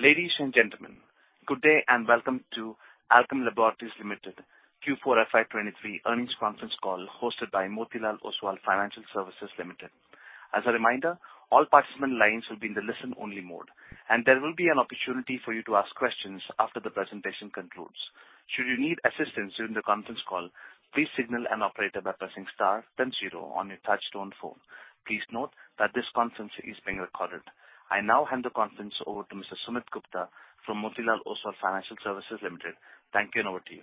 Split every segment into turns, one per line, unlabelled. Ladies and gentlemen, good day and welcome to Alkem Laboratories Limited Q4 FY23 earnings conference call hosted by Motilal Oswal Financial Services Limited. As a reminder, all participant lines will be in the listen-only mode, and there will be an opportunity for you to ask questions after the presentation concludes. Should you need assistance during the conference call, please signal an operator by pressing star then zero on your touchtone phone. Please note that this conference is being recorded. I now hand the conference over to Mr. Sumit Gupta from Motilal Oswal Financial Services Limited. Thank you, and over to you.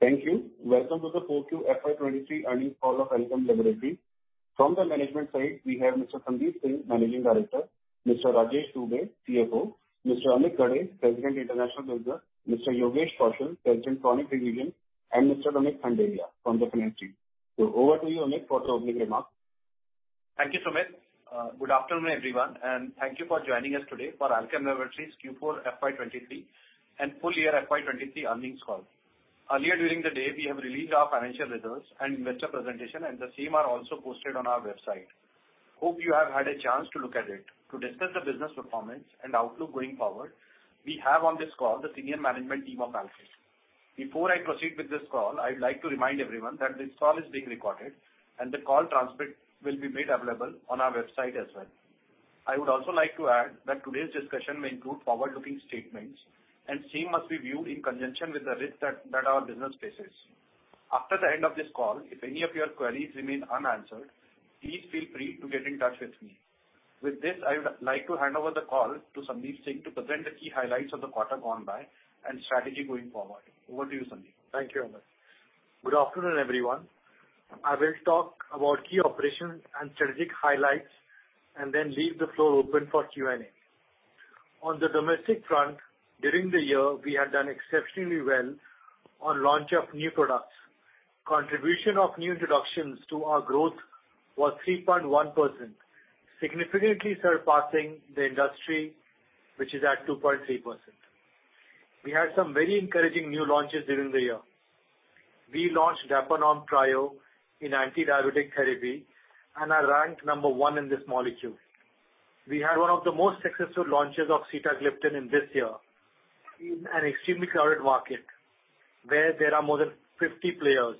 Thank you. Welcome to the Q4 FY 2023 earnings call of Alkem Laboratories. From the management side, we have Mr. Sandeep Singh, Managing Director, Mr. Rajesh Dubey, CFO, Mr. Amit Ghare, President International Business, Mr. Yogesh Kaushal, President Chronic Region, and Mr. Amit Khandelia from the finance team. Over to you, Amit, for your opening remarks.
Thank you, Sumit. Good afternoon, everyone, and thank you for joining us today for Alkem Laboratories' Q4 FY 2023 and full year FY 2023 earnings call. Earlier during the day, we have released our financial results and investor presentation and the same are also posted on our website. Hope you have had a chance to look at it. To discuss the business performance and outlook going forward, we have on this call the senior management team of Alkem. Before I proceed with this call, I'd like to remind everyone that this call is being recorded and the call transcript will be made available on our website as well. I would also like to add that today's discussion may include forward-looking statements and same must be viewed in conjunction with the risk that our business faces.
After the end of this call, if any of your queries remain unanswered, please feel free to get in touch with me. With this, I would like to hand over the call to Sandeep Singh to present the key highlights of the quarter gone by and strategy going forward. Over to you, Sandeep.
Thank you, Amit. Good afternoon, everyone. I will talk about key operations and strategic highlights and then leave the floor open for Q&A. On the domestic front, during the year we have done exceptionally well on launch of new products. Contribution of new introductions to our growth was 3.1%, significantly surpassing the industry, which is at 2.3%. We had some very encouraging new launches during the year. We launched Dapanorm Trio in antidiabetic therapy and are ranked number one in this molecule. We had one of the most successful launches of sitagliptin in this year in an extremely crowded market where there are more than 50 players.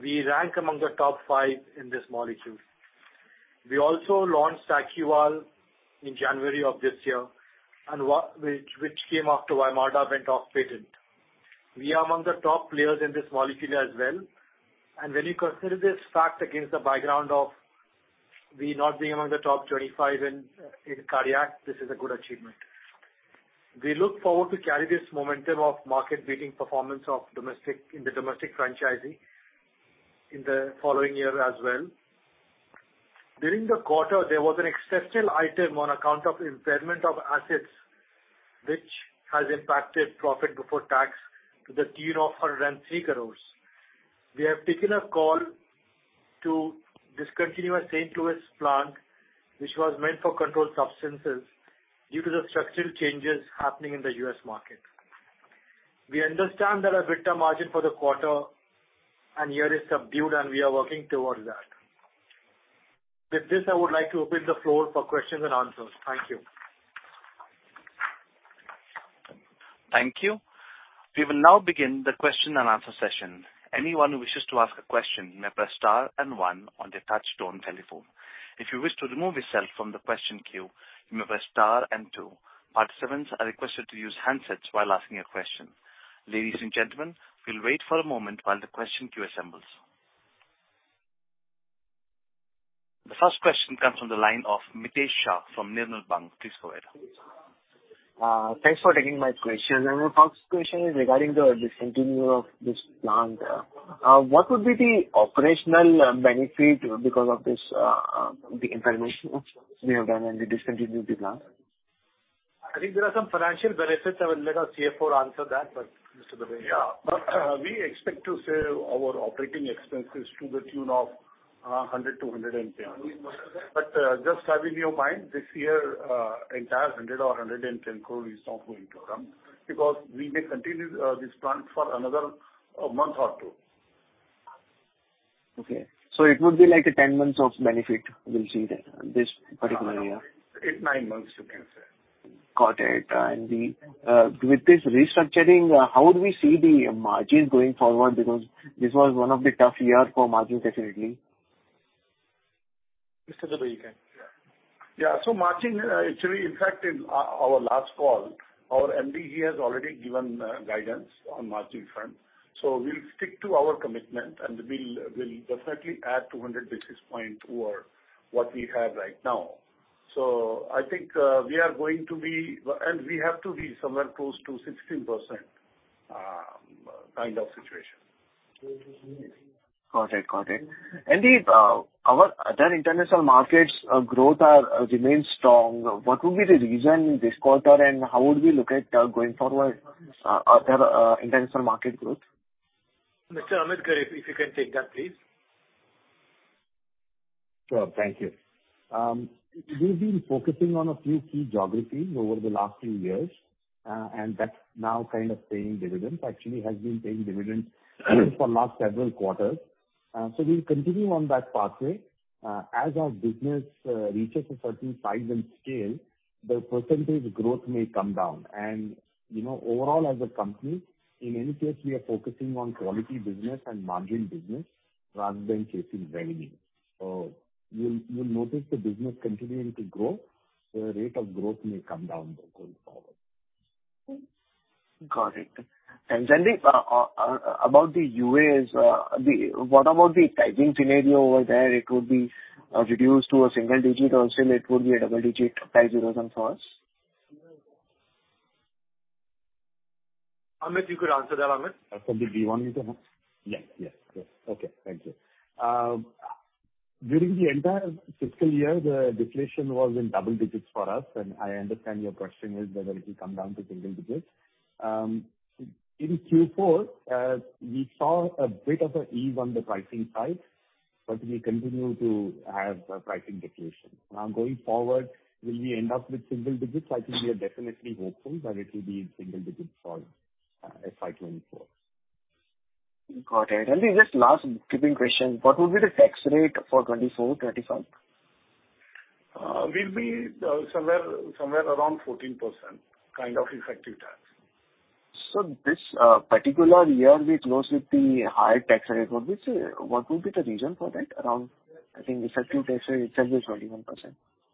We rank among the top five in this molecule. We also launched Sacuval in January of this year which came after Vymada went off patent. We are among the top players in this molecule as well. When you consider this fact against the background of we not being among the top 25 in cardiac, this is a good achievement. We look forward to carry this momentum of market-beating performance of domestic in the domestic franchisee in the following year as well. During the quarter, there was an exceptional item on account of impairment of assets, which has impacted profit before tax to the tune of 103 crores. We have taken a call to discontinue a Saint Louis plant which was meant for controlled substances due to the structural changes happening in the U.S. market. We understand that our EBITDA margin for the quarter and year is subdued and we are working towards that. With this, I would like to open the floor for questions and answers. Thank you.
Thank you. We will now begin the question and answer session. Anyone who wishes to ask a question may press star one on their touchtone telephone. If you wish to remove yourself from the question queue, you may press star two. Participants are requested to use handsets while asking a question. Ladies and gentlemen, we'll wait for a moment while the question queue assembles. The first question comes from the line of Mitesh Shah from Nirmal Bang. Please go ahead.
Thanks for taking my question. My first question is regarding the discontinue of this plant. What would be the operational benefit because of this the impairment which we have done and the discontinued the plant?
I think there are some financial benefits. I will let our CFO answer that, but Mr. Dubey.
Yeah. We expect to save our operating expenses to the tune of 100-110. Just have in your mind this year, entire 100 crore or 110 crore is not going to come because we may continue this plant for another month or two.
Okay. It would be like a 10 months of benefit we'll see there, this particular year.
Eight, nine months you can say.
Got it. With this restructuring, how do we see the margins going forward? Because this was one of the tough year for margin definitely.
Mr. Dubey, you can.
Yeah. Margin, actually in fact in our last call, our MD, he has already given guidance on margin front. We'll stick to our commitment and we'll definitely add 200 basis points over what we have right now. I think we have to be somewhere close to 16% kind of situation.
Got it. The our other international markets growth are remain strong. What would be the reason this quarter and how would we look at going forward other international market growth?
Mr. Amit Ghare, if you can take that, please.
Sure. Thank you. We've been focusing on a few key geographies over the last few years, and that's now kind of paying dividends. Actually has been paying dividends for last several quarters. We'll continue on that pathway. As our business reaches a certain size and scale, the percentage growth may come down. You know, overall as a company, in any case, we are focusing on quality business and margin business rather than chasing revenue. You'll notice the business continuing to grow, the rate of growth may come down, though, going forward.
Got it. Sandip, about the U.S., what about the pricing scenario over there? It would be reduced to a single digit or still it would be a double digit price erosion for us?
Amit, you could answer that, Amit.
Sandeep, do you want me to answer?
Yes. Yes. Yes.
Okay. Thank you. During the entire fiscal year, the deflation was in double digits for us. I understand your question is whether it will come down to single digits. In Q4, we saw a bit of a ease on the pricing side. We continue to have a pricing deflation. Going forward, will we end up with single digits? I think we are definitely hopeful that it will be in single digits for FY 2024.
Got it. Sandeep, just last few quick questions. What will be the tax rate for 2024, 2025?
We'll be somewhere around 14% kind of effective tax.
This particular year we closed with the high tax rate. What is, what will be the reason for that? I think effective tax rate itself is 21%.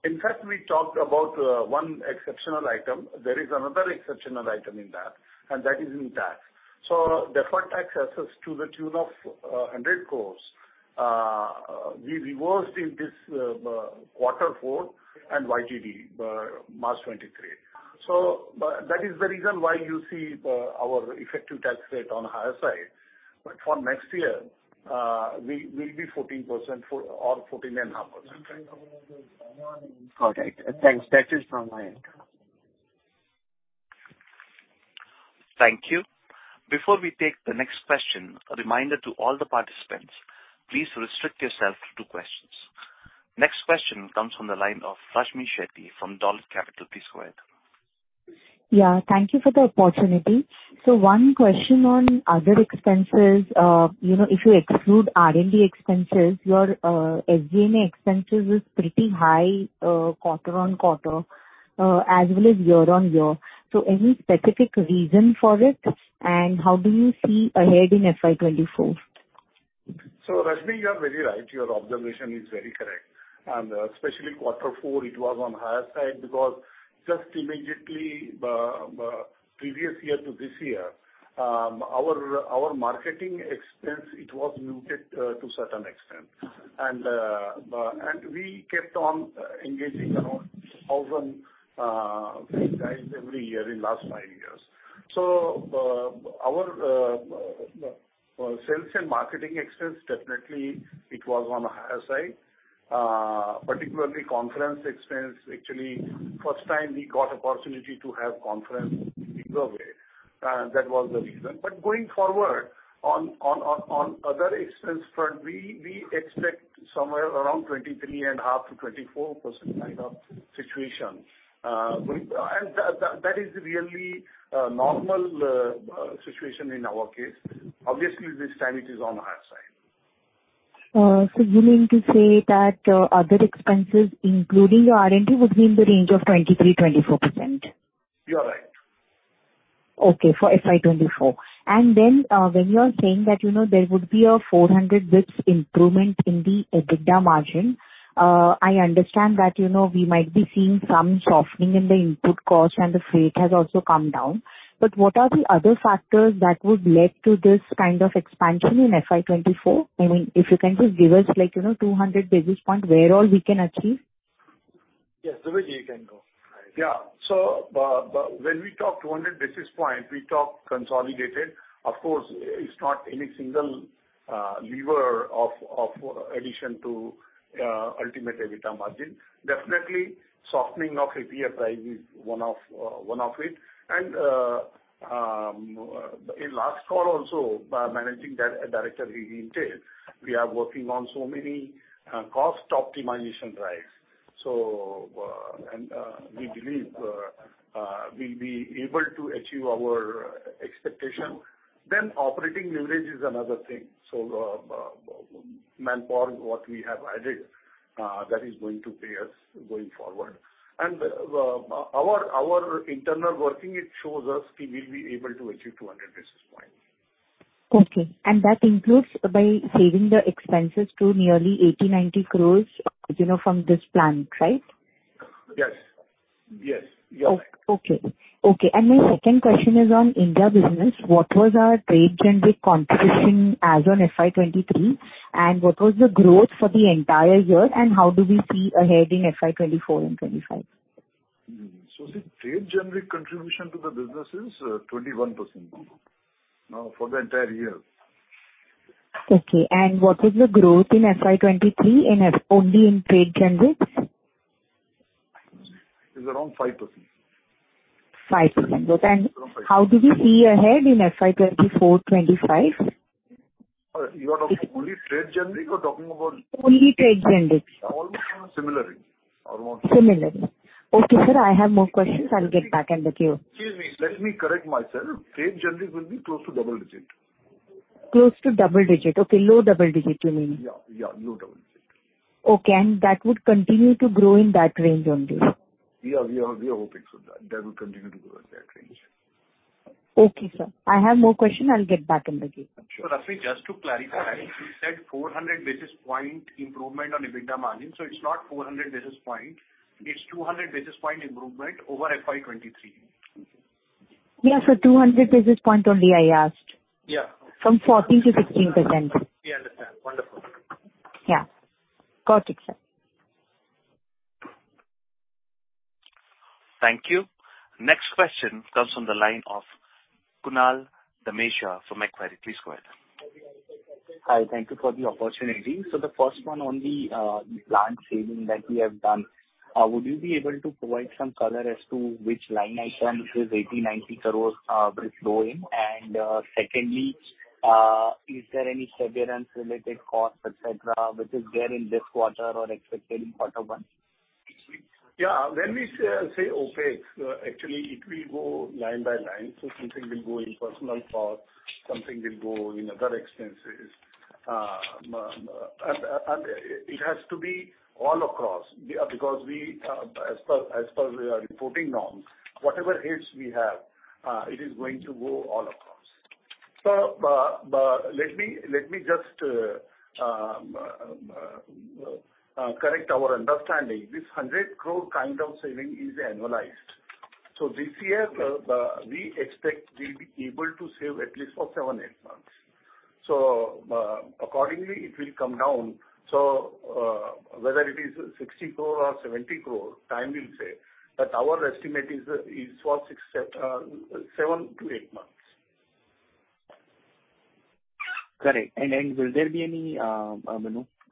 In fact, we talked about one exceptional item. There is another exceptional item in that, and that is in tax. Deferred tax assets to the tune of 100 crores, we reversed in this quarter four and YTD March 2023. That is the reason why you see our effective tax rate on higher side. For next year, we will be 14% for or 14.5% kind of.
Got it. Thanks. That is from my end.
Thank you. Before we take the next question, a reminder to all the participants, please restrict yourself to two questions. Next question comes from the line of Rashmi Shetty from Dolat Capital. Please go ahead.
Yeah, thank you for the opportunity. One question on other expenses. You know, if you exclude R&D expenses, your SG&A expenses is pretty high, quarter-on-quarter, as well as year-on-year. Any specific reason for it? And how do you see ahead in FY 2024?
Rashmi, you are very right. Your observation is very correct. Especially Q4, it was on higher side because just immediately previous year to this year, our marketing expense, it was muted to certain extent. We kept on engaging around 1,000 sales guys every year in last five years. Our sales and marketing expense, definitely it was on a higher side. Particularly conference expense, actually first time we got opportunity to have conference in a bigger way. That was the reason. Going forward, on other expense front, we expect somewhere around 23.5%-24% kind of situation. That is really a normal situation in our case. Obviously, this time it is on the higher side.
You mean to say that other expenses, including your R&D, would be in the range of 23%-24%?
You are right.
Okay, for FY 2024. When you are saying that, you know, there would be a 400 basis improvement in the EBITDA margin, I understand that, you know, we might be seeing some softening in the input cost and the freight has also come down. What are the other factors that would lead to this kind of expansion in FY 2024? I mean, if you can just give us like, you know, 200 basis point where all we can achieve.
Yes. Dubey, you can go.
When we talk 200 basis points, we talk consolidated. Of course, it's not any single lever of addition to ultimate EBITDA margin. Definitely softening of API price is one of it. In last call also, managing director, he detailed we are working on so many cost optimization drives. We believe we'll be able to achieve our expectation. Operating leverage is another thing. Manpower, what we have added, that is going to pay us going forward. Our internal working, it shows us we will be able to achieve 200 basis points.
Okay. That includes by saving the expenses to nearly 80-90 crores, you know, from this plant, right?
Yes. Yes. Yes.
Okay. My second question is on India business. What was our trade generics contribution as on FY 2023? What was the growth for the entire year? How do we see ahead in FY 2024 and 2025?
The trade generics contribution to the business is, 21% now, for the entire year.
Okay. What is the growth in FY 2023 only in Trade Generic?
Is around 5%.
5%.
Around 5%.
How do we see ahead in FY 2024, 2025?
You are talking only trade generic or talking about?
Only trade generic.
Almost similarly.
Similarly. Okay, sir, I have more questions. I'll get back in the queue.
Excuse me. Let me correct myself. Trade generic will be close to double digit.
Close to double digit. Okay, low double digit you mean?
Yeah, yeah, low double digit.
Okay, that would continue to grow in that range only.
We are hoping so that that will continue to grow in that range.
Okay, sir. I have more question. I'll get back in the queue.
Sure.
Rashmi Shetty, just to clarify, you said 400 basis point improvement on EBITDA margin. It's not 400 basis point, it's 200 basis point improvement over FY 2023.
Yeah. 200 basis point only I asked.
Yeah.
From 40%-16%.
We understand. Wonderful.
Yeah. Got it, sir.
Thank you. Next question comes from the line of Kunal Dhamesha from Macquarie. Please go ahead.
Hi. Thank you for the opportunity. The first one on the plant saving that we have done, would you be able to provide some color as to which line item this 80-90 crores will flow in? Secondly, is there any severance related costs, etcetera, which is there in this quarter or expected in quarter one?
Yeah. When we say OpEx, actually it will go line by line. Something will go in personal cost, something will go in other expenses. It has to be all across because we, as per, as per our reporting norms, whatever hits we have, it is going to go all across. Let me, let me just correct our understanding. This 100 crore kind of saving is annualized. This year, we expect we'll be able to save at least for seven, eight months. Accordingly it will come down. Whether it is 60 crore or 70 crore, time will say. Our estimate is for seven to eight months.
Correct. Will there be any,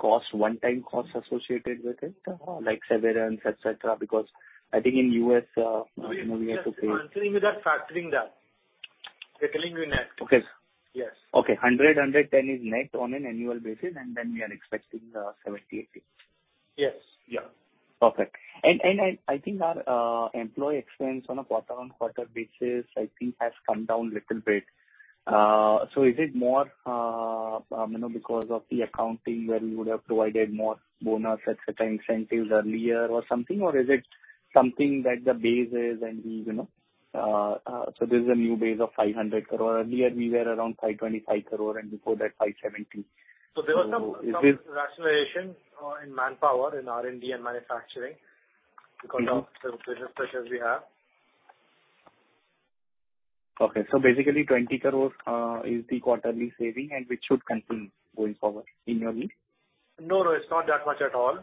you know, cost, one-time cost associated with it, like severance, etcetera? I think in U.S., you know, we have to pay.
We are considering without factoring that. We're telling you net.
Okay.
Yes.
Okay. 100-110 is net on an annual basis. We are expecting 70-80.
Yes. Yeah.
Perfect. I think our employee expense on a quarter-on-quarter basis, I think has come down little bit. Is it more, you know, because of the accounting where you would have provided more bonus, etcetera, incentives earlier or something? Or is it something that the base is and we, you know... This is a new base of 500 crore. Earlier we were around 525 crore, and before that 570 crore. Is it?
There was some rationalization in manpower in R&D and manufacturing because of certain pressures we have.
Basically 20 crores is the quarterly saving and which should continue going forward in your view?
No, no, it's not that much at all.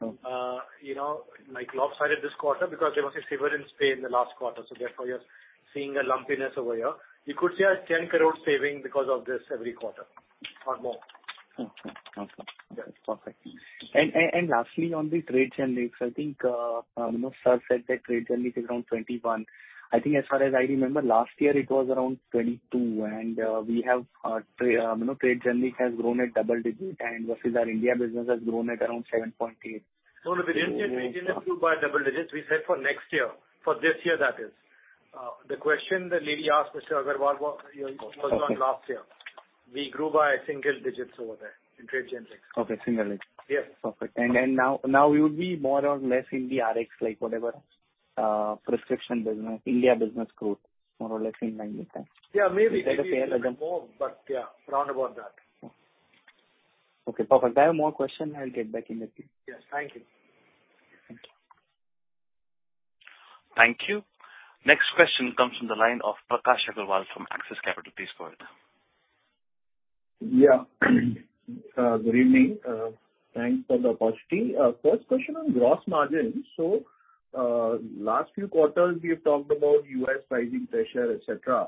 Oh.
You know, like lopsided this quarter because there was a severance pay in the last quarter, so therefore you're seeing a lumpiness over here. You could say a 10 crore saving because of this every quarter or more.
Mm-hmm. Okay. Perfect.
Yes.
Lastly on the trade generics, I think, you know, sir said that trade generics is around 21%. I think as far as I remember last year it was around 22%. We have, you know, trade generics has grown at double digit and versus our India business has grown at around 7.8%.
No, no. We didn't say trade generics grew by double digits. We said for next year. For this year, that is. The question the lady asked Mr. Agarwal was on last year.
Okay.
We grew by single digits over there in trade generics.
Okay. Single digit.
Yes.
Perfect. Now we would be more or less in the Rx like whatever, prescription business, India business growth more or less in line with that.
Yeah. Maybe. Maybe a bit more.
Is that a fair assumption?
Yeah, round about that.
Okay, perfect. I have more question. I'll get back in the queue.
Yes. Thank you.
Thank you.
Thank you. Next question comes from the line of Prakash Agarwal from Axis Capital. Please go ahead.
Yeah. Good evening. Thanks for the opportunity. First question on gross margin. Last few quarters you've talked about U.S. pricing pressure, etcetera.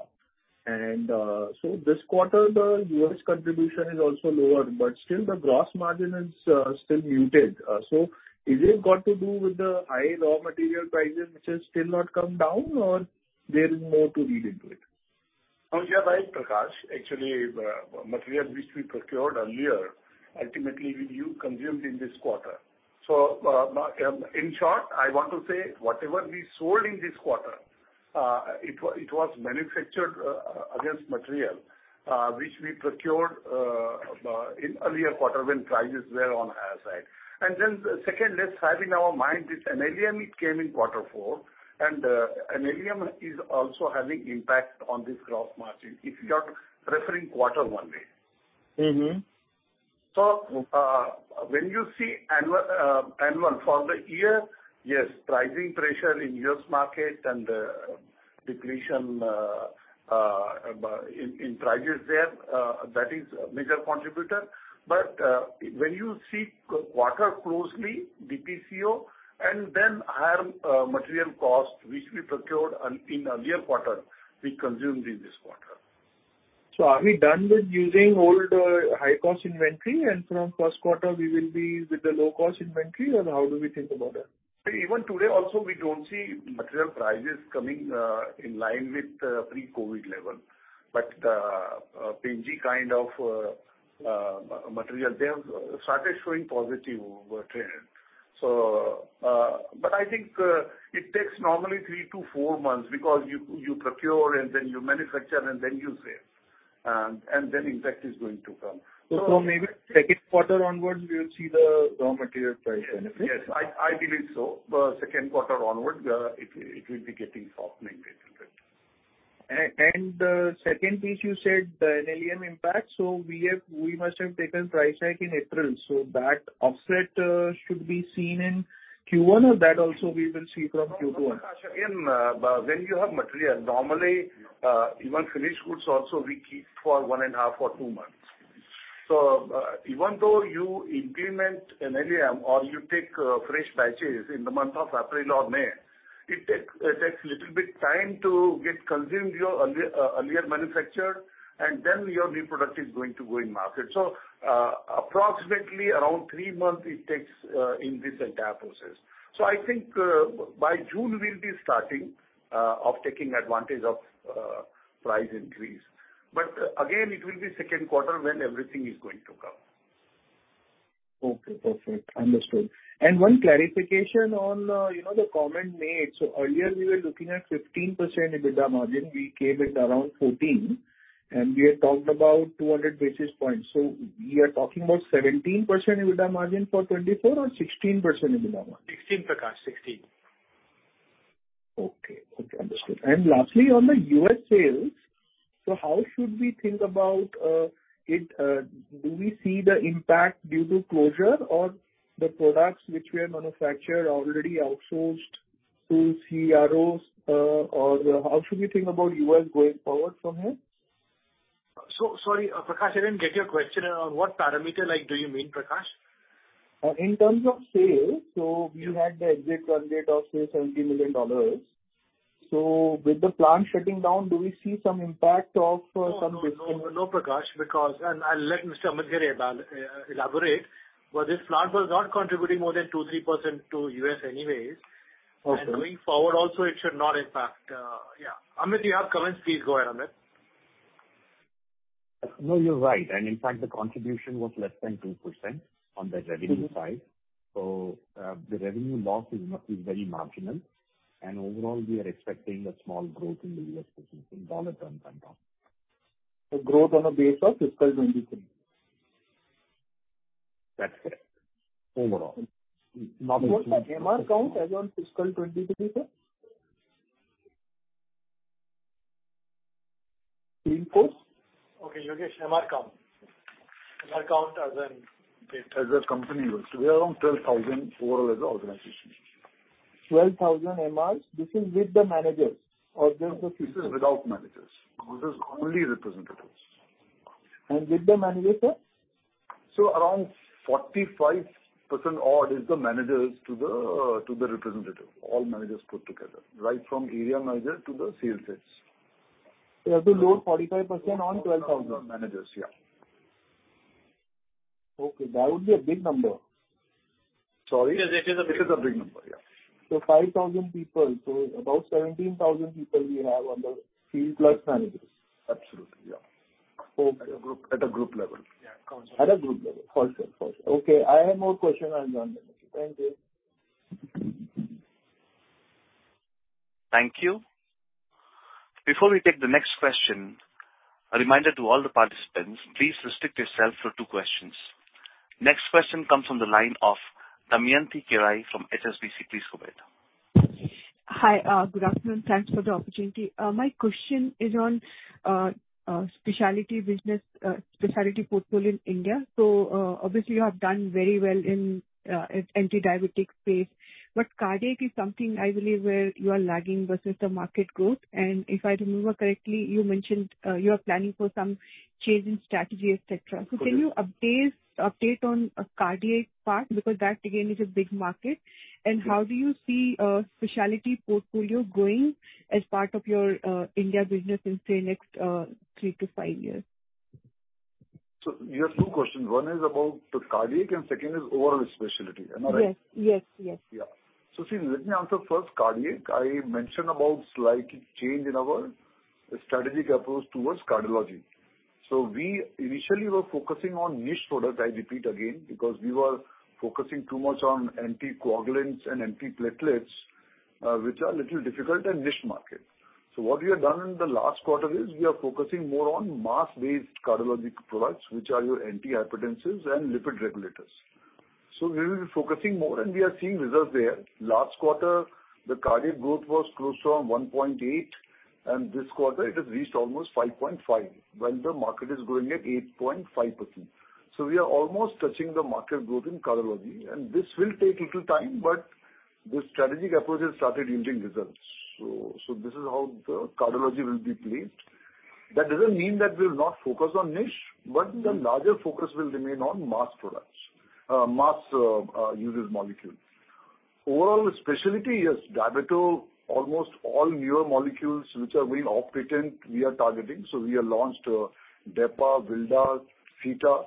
This quarter the U.S. contribution is also lower, but still the gross margin is still muted. Is it got to do with the high raw material prices which has still not come down or there is more to read into it?
No, you're right, Prakash. Actually, material which we procured earlier ultimately we consumed in this quarter. In short, I want to say whatever we sold in this quarter, it was manufactured against material which we procured in earlier quarter when prices were on higher side. Second, let's have in our mind this NLEM, it came in quarter four. NLEM is also having impact on this gross margin if you are referring quarter only.
Mm-hmm.
When you see annual for the year, yes, pricing pressure in U.S. market and depletion in prices there, that is a major contributor. When you see quarter closely, DPCO and then higher, material cost which we procured in earlier quarter, we consumed in this quarter.
Are we done with using old, high cost inventory and from first quarter we will be with the low cost inventory or how do we think about it?
Even today also we don't see material prices coming in line with pre-COVID level. Pen G kind of material, they have started showing positive trend. I think it takes normally three to four months because you procure and then you manufacture and then you sell. Impact is going to come.
Maybe second quarter onwards we will see the raw material price benefit.
Yes. I believe so. The second quarter onwards, it will be getting softening a little bit.
The second piece you said the NLEM impact. We must have taken price hike in April, so that offset should be seen in Q1 or that also we will see from Q2?
No, no, Prakash, in, uh, uh, when you have material, normally, uh, even finished goods also we keep for one and a half or two months. So, uh, even though you implement NLEM or you take, uh, fresh batches in the month of April or May, it takes, it takes little bit time to get consumed your ear-earlier manufacture and then your new product is going to go in market. So, uh, approximately around three months it takes, uh, in this entire process. So I think, uh, by June we'll be starting, uh, of taking advantage of, uh, price increase. But again, it will be second quarter when everything is going to come.
Okay. Perfect. Understood. One clarification on, you know, the comment made. Earlier we were looking at 15% EBITDA margin. We came at around 14%, and we had talked about 200 basis points. We are talking about 17% EBITDA margin for 2024 or 16% EBITDA margin?
16%, Prakash. 16%.
Okay. Okay. Understood. Lastly, on the U.S. sales, so how should we think about it? Do we see the impact due to closure or the products which we are manufactured already outsourced to CROs, or how should we think about U.S. going forward from here?
Sorry, Prakash, I didn't get your question. On what parameter, like do you mean, Prakash?
In terms of sales, you had the exit run rate of say $70 million. With the plant shutting down, do we see some impact of some business-?
No, no, Prakash, because... I'll let Mr. Amit Ghare elaborate. This plant was not contributing more than 2%-3% to U.S. anyways.
Okay.
Going forward also it should not impact. Yeah. Amit, you have comments, please go ahead, Amit.
No, you're right. In fact the contribution was less than 2% on the revenue side.
Mm-hmm.
The revenue loss is very marginal. Overall we are expecting a small growth in the U.S. business in dollar terms and up.
Growth on the base of fiscal 2023.
That's correct. Overall.
What's the MR count as on fiscal 2023, sir?
Team force?
Okay, Yogesh, MR count. MR count as on date.
As a company, we are around 12,000 overall as a organization.
12,000 MRs. This is with the managers or just the-
This is without managers. This is only representatives.
With the managers, sir?
Around 45% odd is the managers to the representative. All managers put together, right from area manager to the sales heads.
You have to load 45% on 12,000.
On managers, yeah.
Okay. That would be a big number.
Sorry?
It is, it is a big number.
It is a big number. Yeah.
5,000 people. About 17,000 people we have on the field plus managers.
Absolutely, yeah.
Okay.
At a group level.
Yeah.
At a group level. For sure. For sure. Okay, I have more question. I'll join later. Thank you.
Thank you. Before we take the next question, a reminder to all the participants, please restrict yourself to two questions. Next question comes from the line of Damayanti Kerai from HSBC. Please go ahead.
Hi, good afternoon. Thanks for the opportunity. My question is on specialty business, specialty portfolio in India. Obviously you have done very well in anti-diabetic space. Cardiac is something I believe where you are lagging versus the market growth. If I remember correctly, you mentioned, you are planning for some change in strategy, et cetera.
Correct.
Can you update on cardiac part because that again is a big market. How do you see specialty portfolio growing as part of your India business in say next three to five years?
You have two questions. One is about the cardiac and second is overall specialty. Am I right?
Yes. Yes, yes.
Yeah. See, let me answer first cardiac. I mentioned about slight change in our strategic approach towards cardiology. We initially were focusing on niche product, I repeat again, because we were focusing too much on anticoagulants and antiplatelets, which are little difficult and niche market. What we have done in the last quarter is we are focusing more on mass-based cardiologic products, which are your antihypertensives and lipid regulators. We will be focusing more and we are seeing results there. Last quarter the cardiac growth was close to 1.8, and this quarter it has reached almost 5.5, while the market is growing at 8.5%. We are almost touching the market growth in cardiology, and this will take little time, but the strategic approach has started yielding results. This is how the cardiology will be placed. That doesn't mean that we'll not focus on niche, but the larger focus will remain on mass products, mass usage molecule. Overall specialty, yes, diabetol, almost all newer molecules which are being off patent we are targeting. We have launched Dapa, Vilda, Sita.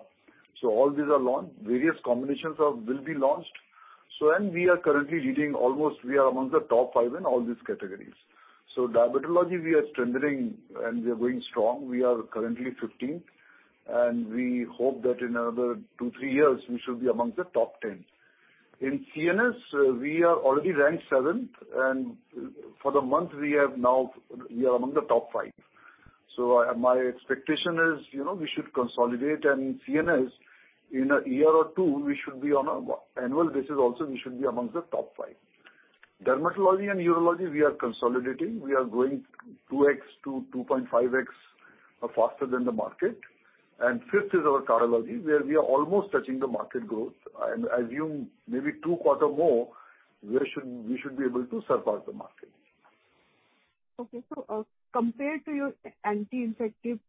All these are launched. Various combinations of will be launched. We are currently leading almost we are amongst the top five in all these categories. Diabetology we are strengthening and we are going strong. We are currently 15. And we hope that in another two, three years, we should be amongst the top 10. In CNS, we are already ranked 7th, and for the month we have now, we are among the top five. My expectation is, you know, we should consolidate and CNS in a year or two, we should be on a... annual basis also we should be amongst the top five. Dermatology and urology we are consolidating. We are growing 2x to 2.5x faster than the market. Fifth is our cardiology, where we are almost touching the market growth. I assume maybe two quarter more, we should be able to surpass the market.
Compared to your anti-infective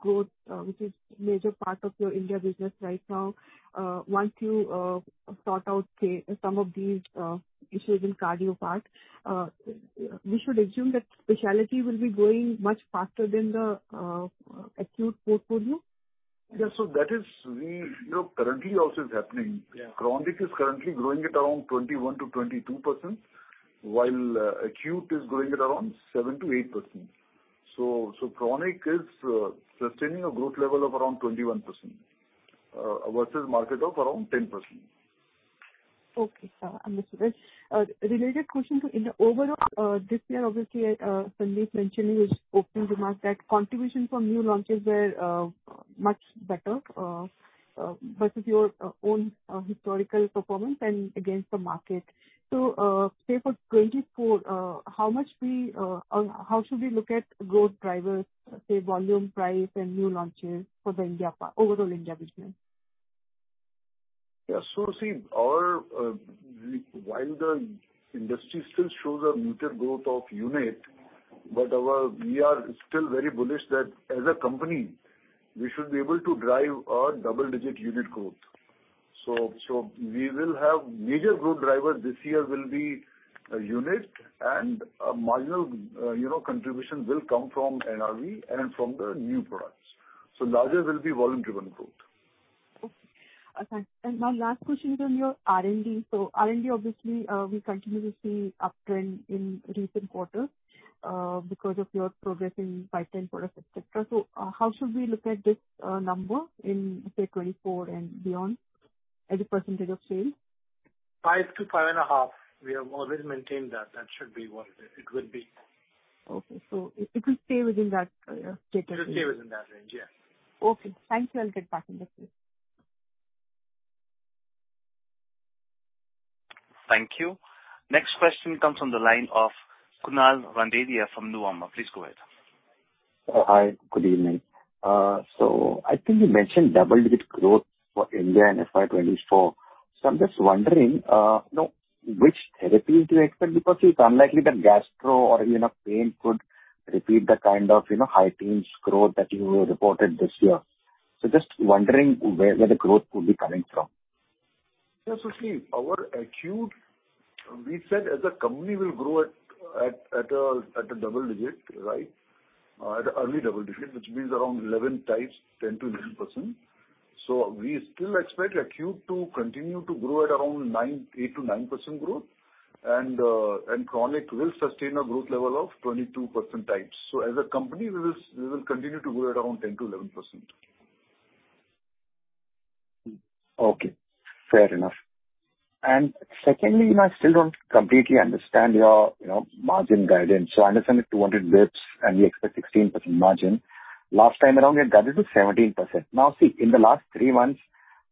growth, which is major part of your India business right now, once you sort out some of these issues in cardio part, we should assume that specialty will be growing much faster than the acute portfolio?
Yeah. That is you know, currently also is happening.
Yeah.
Chronic is currently growing at around 21%-22%, while acute is growing at around 7%-8%. Chronic is sustaining a growth level of around 21% versus market of around 10%.
Okay, sir. I misunderstood. Related question to in the overall, this year, obviously, Sandeep mentioned in his opening remarks that contribution from new launches were much better versus your own historical performance and against the market. Say for 2024, how much we, or how should we look at growth drivers, say volume, price and new launches for the India part, overall India business?
See our, while the industry still shows a muted growth of unit, we are still very bullish that as a company we should be able to drive a double-digit unit growth. We will have major growth driver this year will be unit and a marginal, you know, contribution will come from NRE and from the new products. Larger will be volume-driven growth.
Okay. My last question is on your R&D. R&D obviously, we continue to see uptrend in recent quarters, because of your progressing pipeline products, et cetera. How should we look at this number in, say, 2024 and beyond as a percentage of sales?
5% to 5.5%. We have always maintained that. That should be what it would be.
Okay. It will stay within that data range.
It will stay within that range, yeah.
Okay. Thank you. I'll get back in the queue.
Thank you. Next question comes from the line of Kunal Randeria from Nuvama. Please go ahead.
Hi. Good evening. I think you mentioned double-digit growth for India in FY 2024. I'm just wondering, you know, which therapies do you expect? Because it's unlikely that gastro or, you know, pain could repeat the kind of, you know, high teens growth that you reported this year. Just wondering where the growth will be coming from.
Yes. See our acute, we said as a company will grow at a double digit, right? Early double digit, which means around 11 times, 10%-11%. We still expect acute to continue to grow at around 8%-9% growth. Chronic will sustain a growth level of 22% types. As a company we will continue to grow at around 10%-11%.
Okay. Fair enough. Secondly, I still don't completely understand your, you know, margin guidance. I understand it's 200 basis points and we expect 16% margin. Last time around we had guided to 17%. See, in the last three months,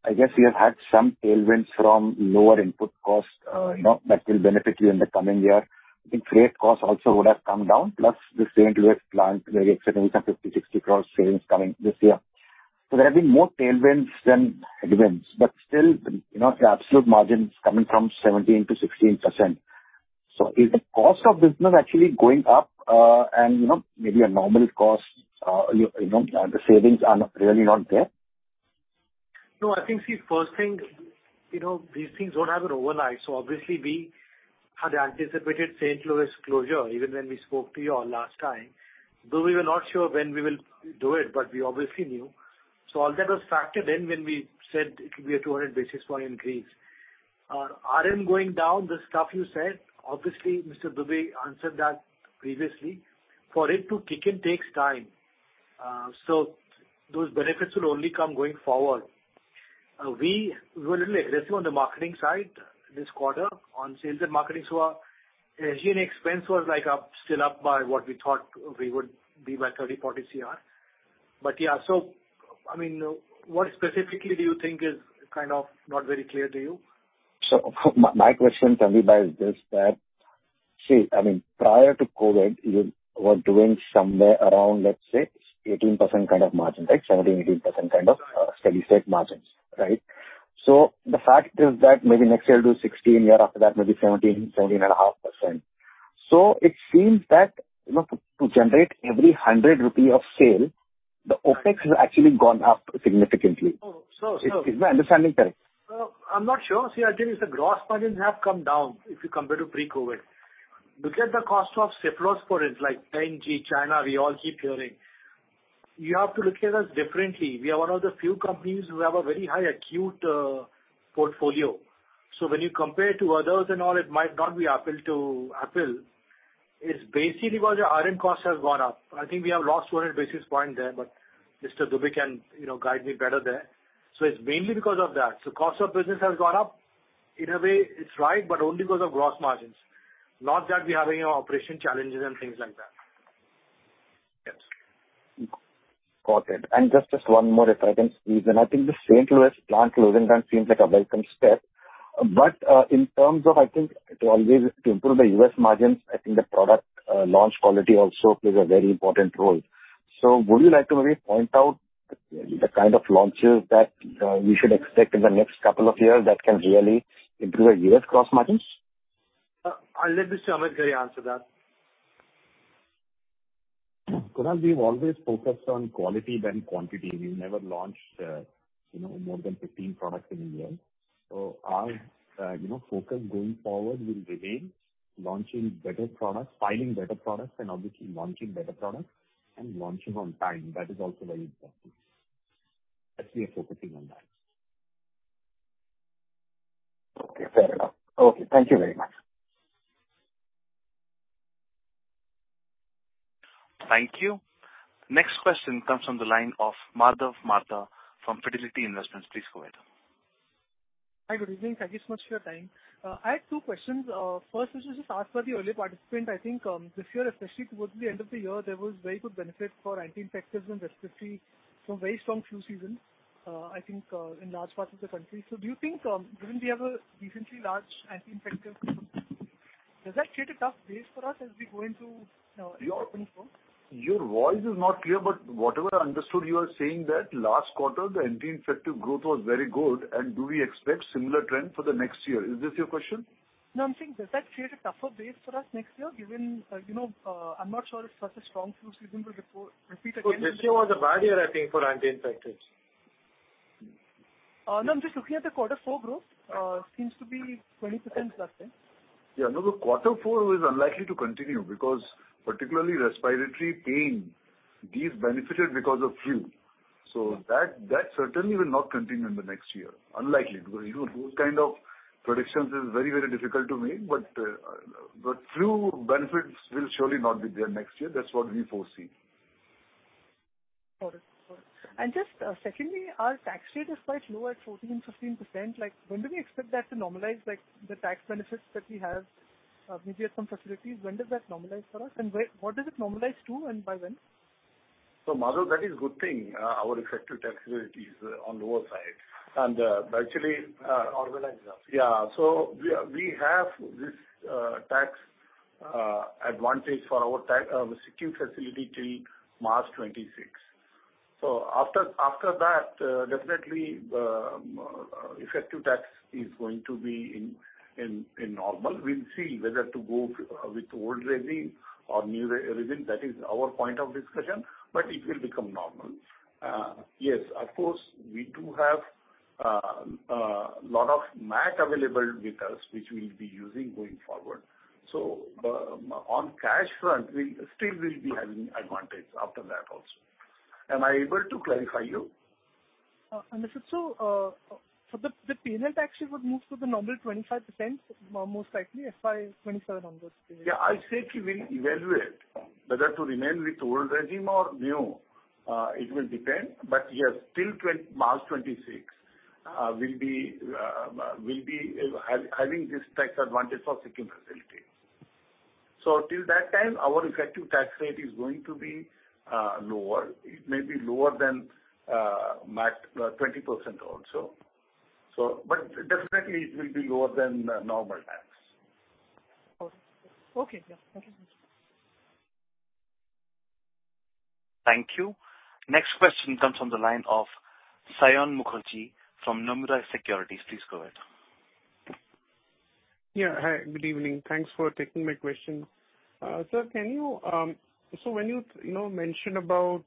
I guess you have had some tailwinds from lower input costs, you know, that will benefit you in the coming year. I think freight costs also would have come down plus the St. Louis plant where you're expecting some 50-60 cross savings coming this year. There have been more tailwinds than headwinds. Still, you know, your absolute margin is coming from 17%-16%. Is the cost of business actually going up? You know, maybe a normal cost, you know, the savings are really not there.
I think, see, first thing, you know, these things don't happen overnight. Obviously we had anticipated St. Louis closure even when we spoke to you all last time. We were not sure when we will do it, we obviously knew. All that was factored in when we said it will be a 200 basis point increase. RM going down, the stuff you said, obviously Mr. Dubey answered that previously. For it to kick in takes time. Those benefits will only come going forward. We were a little aggressive on the marketing side this quarter on sales and marketing. Our G&A expense was like up, still up by what we thought we would be by 30-40 crore. Yeah, I mean, what specifically do you think is kind of not very clear to you?
My, my question, Sandeep, is just that, see, I mean, prior to COVID, you were doing somewhere around, let's say 18% kind of margin, right? 17%, 18% kind of steady state margins, right? The fact is that maybe next year it will be 16%, year after that maybe 17%, 17.5%. It seems that, you know, to generate every 100 rupee of sale, the OpEx has actually gone up significantly.
No.
Is my understanding correct?
No, I'm not sure. See, I think the gross margins have come down if you compare to pre-COVID. Look at the cost of ciprofloxacin like Tianjin, China, we all keep hearing. You have to look at us differently. We are one of the few companies who have a very high acute portfolio. When you compare to others and all, it might not be apple to apple. It's basically because our iron cost has gone up. I think we have lost 100 basis points there, but Mr. Dubey can, you know, guide me better there. It's mainly because of that. Cost of business has gone up. In a way, it's right, but only because of gross margins, not that we have any operation challenges and things like that. Yes.
Got it. Just 1 more if I can squeeze in. I think the St. Louis plant closing down seems like a welcome step. In terms of, I think, to improve the U.S. margins, I think the product launch quality also plays a very important role. Would you like to maybe point out the kind of launches that we should expect in the next couple of years that can really improve the U.S. gross margins?
I'll let Mr. Amit Ghare answer that.
Kunal, we've always focused on quality than quantity. We've never launched, you know, more than 15 products in a year. Our, you know, focus going forward will remain launching better products, filing better products, and obviously launching better products and launching on time. That is also very important. That's where we're focusing on that.
Okay. Fair enough. Okay. Thank you very much.
Thank you. Next question comes from the line of Madhav Marda from Fidelity International. Please go ahead.
Hi. Good evening. Thank you so much for your time. I have two questions. First, this is just ask for the early participant. I think, this year, especially towards the end of the year, there was very good benefit for anti-infectives and respiratory from very strong flu season, I think, in large parts of the country. Do you think, given we have a decently large anti-infective, does that create a tough base for us as we go into 2024?
Your voice is not clear, but whatever I understood, you are saying that last quarter the anti-infective growth was very good and do we expect similar trend for the next year? Is this your question?
No, I'm saying does that create a tougher base for us next year given, you know, I'm not sure if such a strong flu season will repeat again?
This year was a bad year, I think, for anti-infectives.
No, I'm just looking at the Q4 growth. Seems to be 20% last time.
Yeah. No, the quarter four is unlikely to continue because particularly respiratory pain, these benefited because of flu. That certainly will not continue in the next year. Unlikely, because those kind of predictions is very, very difficult to make. Flu benefits will surely not be there next year. That's what we foresee.
Got it. Got it. Just, secondly, our tax rate is quite low at 14%-15%. When do we expect that to normalize, the tax benefits that we have, maybe at some facilities, when does that normalize for us? What does it normalize to and by when?
Madhav, that is good thing. Our effective tax rate is on lower side. actually.
Organize that.
Yeah. We have this tax advantage for our SEZ facility till March 2026. After that, definitely, effective tax is going to be in normal. We'll see whether to go with old regime or new regime. That is our point of discussion, but it will become normal. Yes, of course, we do have a lot of MAT available with us, which we'll be using going forward. On cash front, we still will be having advantage after that also. Am I able to clarify you?
If it's so, for the P&L tax rate would move to the normal 25% most likely, FY 2027 on those P&L.
Yeah. I said we will evaluate whether to remain with old regime or new. It will depend. Yes, till March 2026, we'll be having this tax advantage for SEZ facility. Till that time, our effective tax rate is going to be lower. It may be lower than MAT, 20% also. Definitely it will be lower than normal tax.
Okay. Okay. Yeah. Thank you.
Thank you. Next question comes from the line of Saion Mukherjee from Nomura Securities. Please go ahead.
Yeah. Hi, good evening. Thanks for taking my question. Sir, can you know, mention about,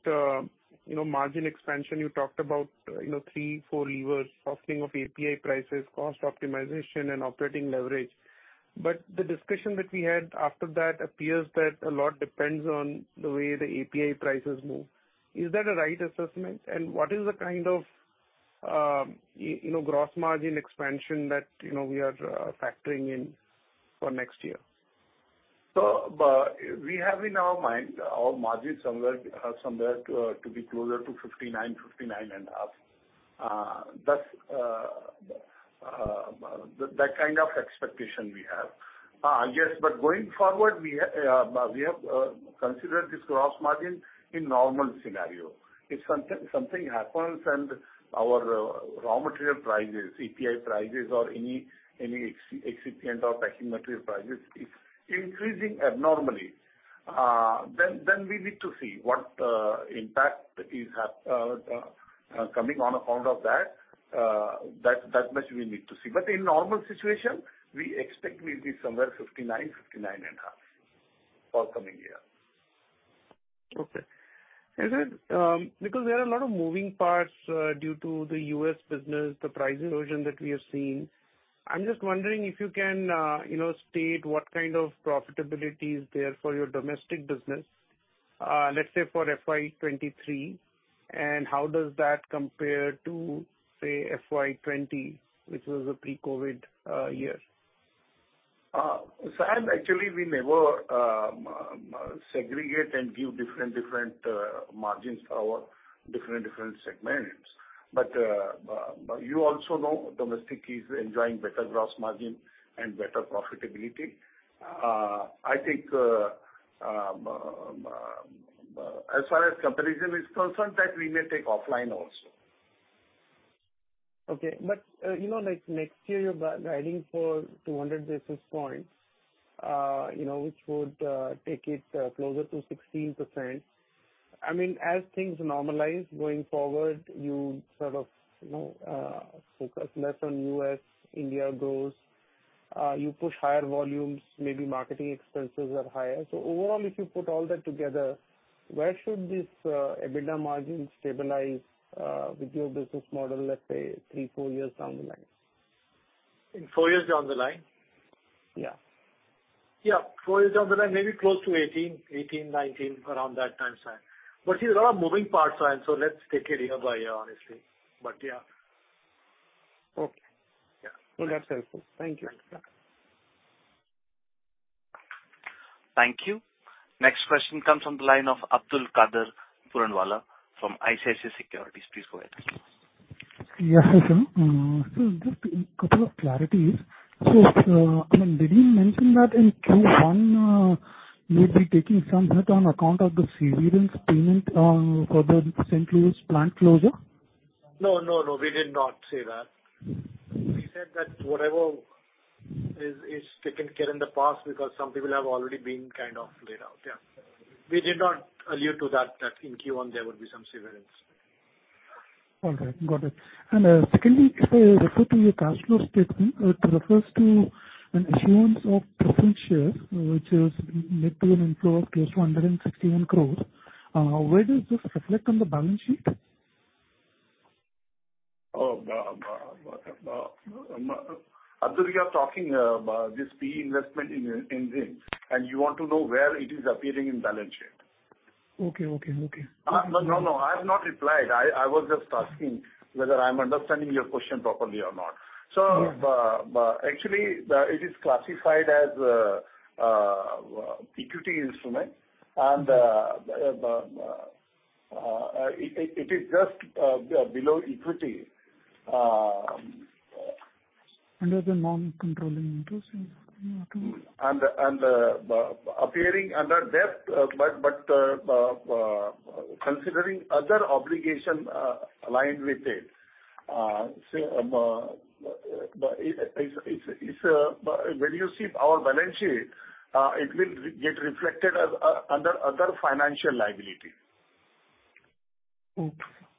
you know, margin expansion, you talked about, you know, three, four levers, softening of API prices, cost optimization and operating leverage. The discussion that we had after that appears that a lot depends on the way the API prices move. Is that a right assessment? What is the kind of, you know, gross margin expansion that, you know, we are factoring in for next year?
We have in our mind our margin closer to 59.5%. That's that kind of expectation we have. Going forward we have considered this gross margin in normal scenario. If something happens and our raw material prices, API prices or any excipient or packing material prices is increasing abnormally, then we need to see what impact is coming on account of that. That much we need to see. In normal situation, we expect we'll be somewhere 59.5% for coming year.
Okay. Because there are a lot of moving parts, due to the U.S. business, the price erosion that we have seen, I'm just wondering if you can, you know, state what kind of profitability is there for your domestic business. Let's say for FY 2023, and how does that compare to, say, FY 2020, which was a pre-COVID year.
Saion, actually we never segregate and give different margins for our different segments. You also know domestic is enjoying better gross margin and better profitability. I think as far as comparison is concerned, that we may take offline also.
Okay. You know, like next year you're guiding for 200 basis points, you know, which would take it closer to 16%. I mean, as things normalize going forward, you sort of, you know, focus less on U.S., India grows, you push higher volumes, maybe marketing expenses are higher. Overall, if you put all that together, where should this EBITDA margin stabilize with your business model, let's say three, four years down the line?
In four years down the line?
Yeah.
Yeah. Four years down the line, maybe close to 18, 19, around that time frame. There's a lot of moving parts, so let's take it year by year, honestly. Yeah.
Okay.
Yeah.
Well, that's helpful. Thank you.
Thanks.
Thank you. Next question comes from the line of Abdulkader Puranwala from ICICI Securities. Please go ahead.
Yes, sir. Just couple of clarities. I mean, did you mention that in Q1, you'll be taking some hit on account of the severance payment, for the St. Louis plant closure?
No, no, we did not say that. We said that whatever is taken care in the past because some people have already been kind of laid off. Yeah. We did not allude to that in Q1 there would be some severance.
Okay, got it. Secondly, if I refer to your cash flow statement, it refers to an issuance of preference share, which is net of an inflow of close to 161 crores. Where does this reflect on the balance sheet?
Abdul, you're talking about this PE investment in Enzene, and you want to know where it is appearing in balance sheet.
Okay, okay.
No, I have not replied. I was just asking whether I'm understanding your question properly or not.
Yes.
It is classified as equity instrument, and it is just below equity.
Under the non-controlling interest
Appearing under debt, considering other obligation, aligned with it. When you see our balance sheet, it will get reflected as, under other financial liability.
Okay.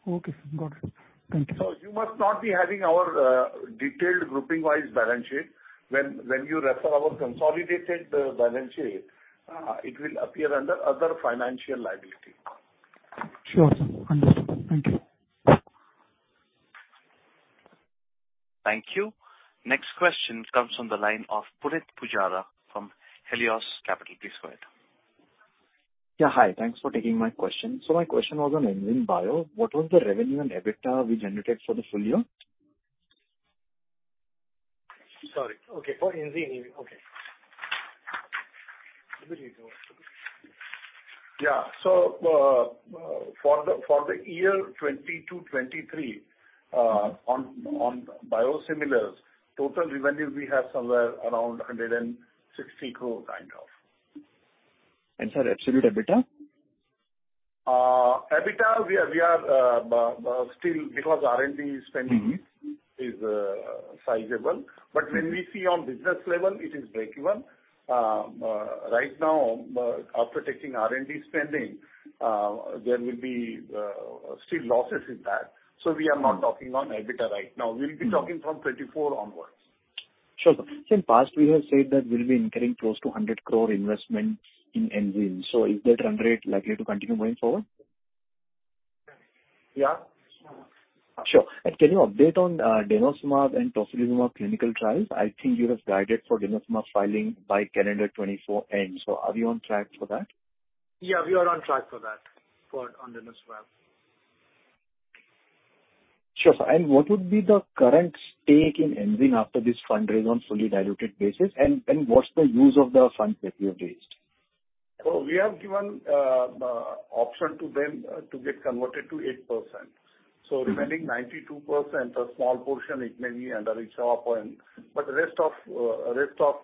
Okay, sir. Got it. Thank you.
You must not be having our detailed grouping-wise balance sheet. When you refer our consolidated balance sheet, it will appear under other financial liability.
Sure, sir. Understood. Thank you.
Thank you. Next question comes from the line of Punit Pujara from Helios Capital. Please go ahead.
Yeah, hi. Thanks for taking my question. My question was on Enzene Bio. What was the revenue and EBITDA we generated for the full year?
Sorry. Okay. For Enzene, okay. Yeah. For the year 2022, 2023, on biosimilars, total revenue we have somewhere around 160 crore, kind of.
sir, absolute EBITDA?
EBITDA we are, still because R&D.
Mm-hmm.
-is sizable. When we see on business level, it is breakeven. right now, after taking R&D spending, there will be still losses in that. We are not talking on EBITDA right now. We'll be talking from 2024 onwards.
Sure, sir. In past we have said that we'll be incurring close to 100 crore investment in Enzene. Is that run rate likely to continue going forward?
Yeah.
Sure. Can you update on denosumab and tocilizumab clinical trials? I think you have guided for denosumab filing by calendar 2024 end. Are we on track for that?
Yeah, we are on track for that, for on denosumab.
Sure, sir. What would be the current stake in Enzene after this fundraising on fully diluted basis and what's the use of the funds that you have raised?
We have given option to them to get converted to 8%. Remaining 92% a small portion, it may be under reserve or. Rest of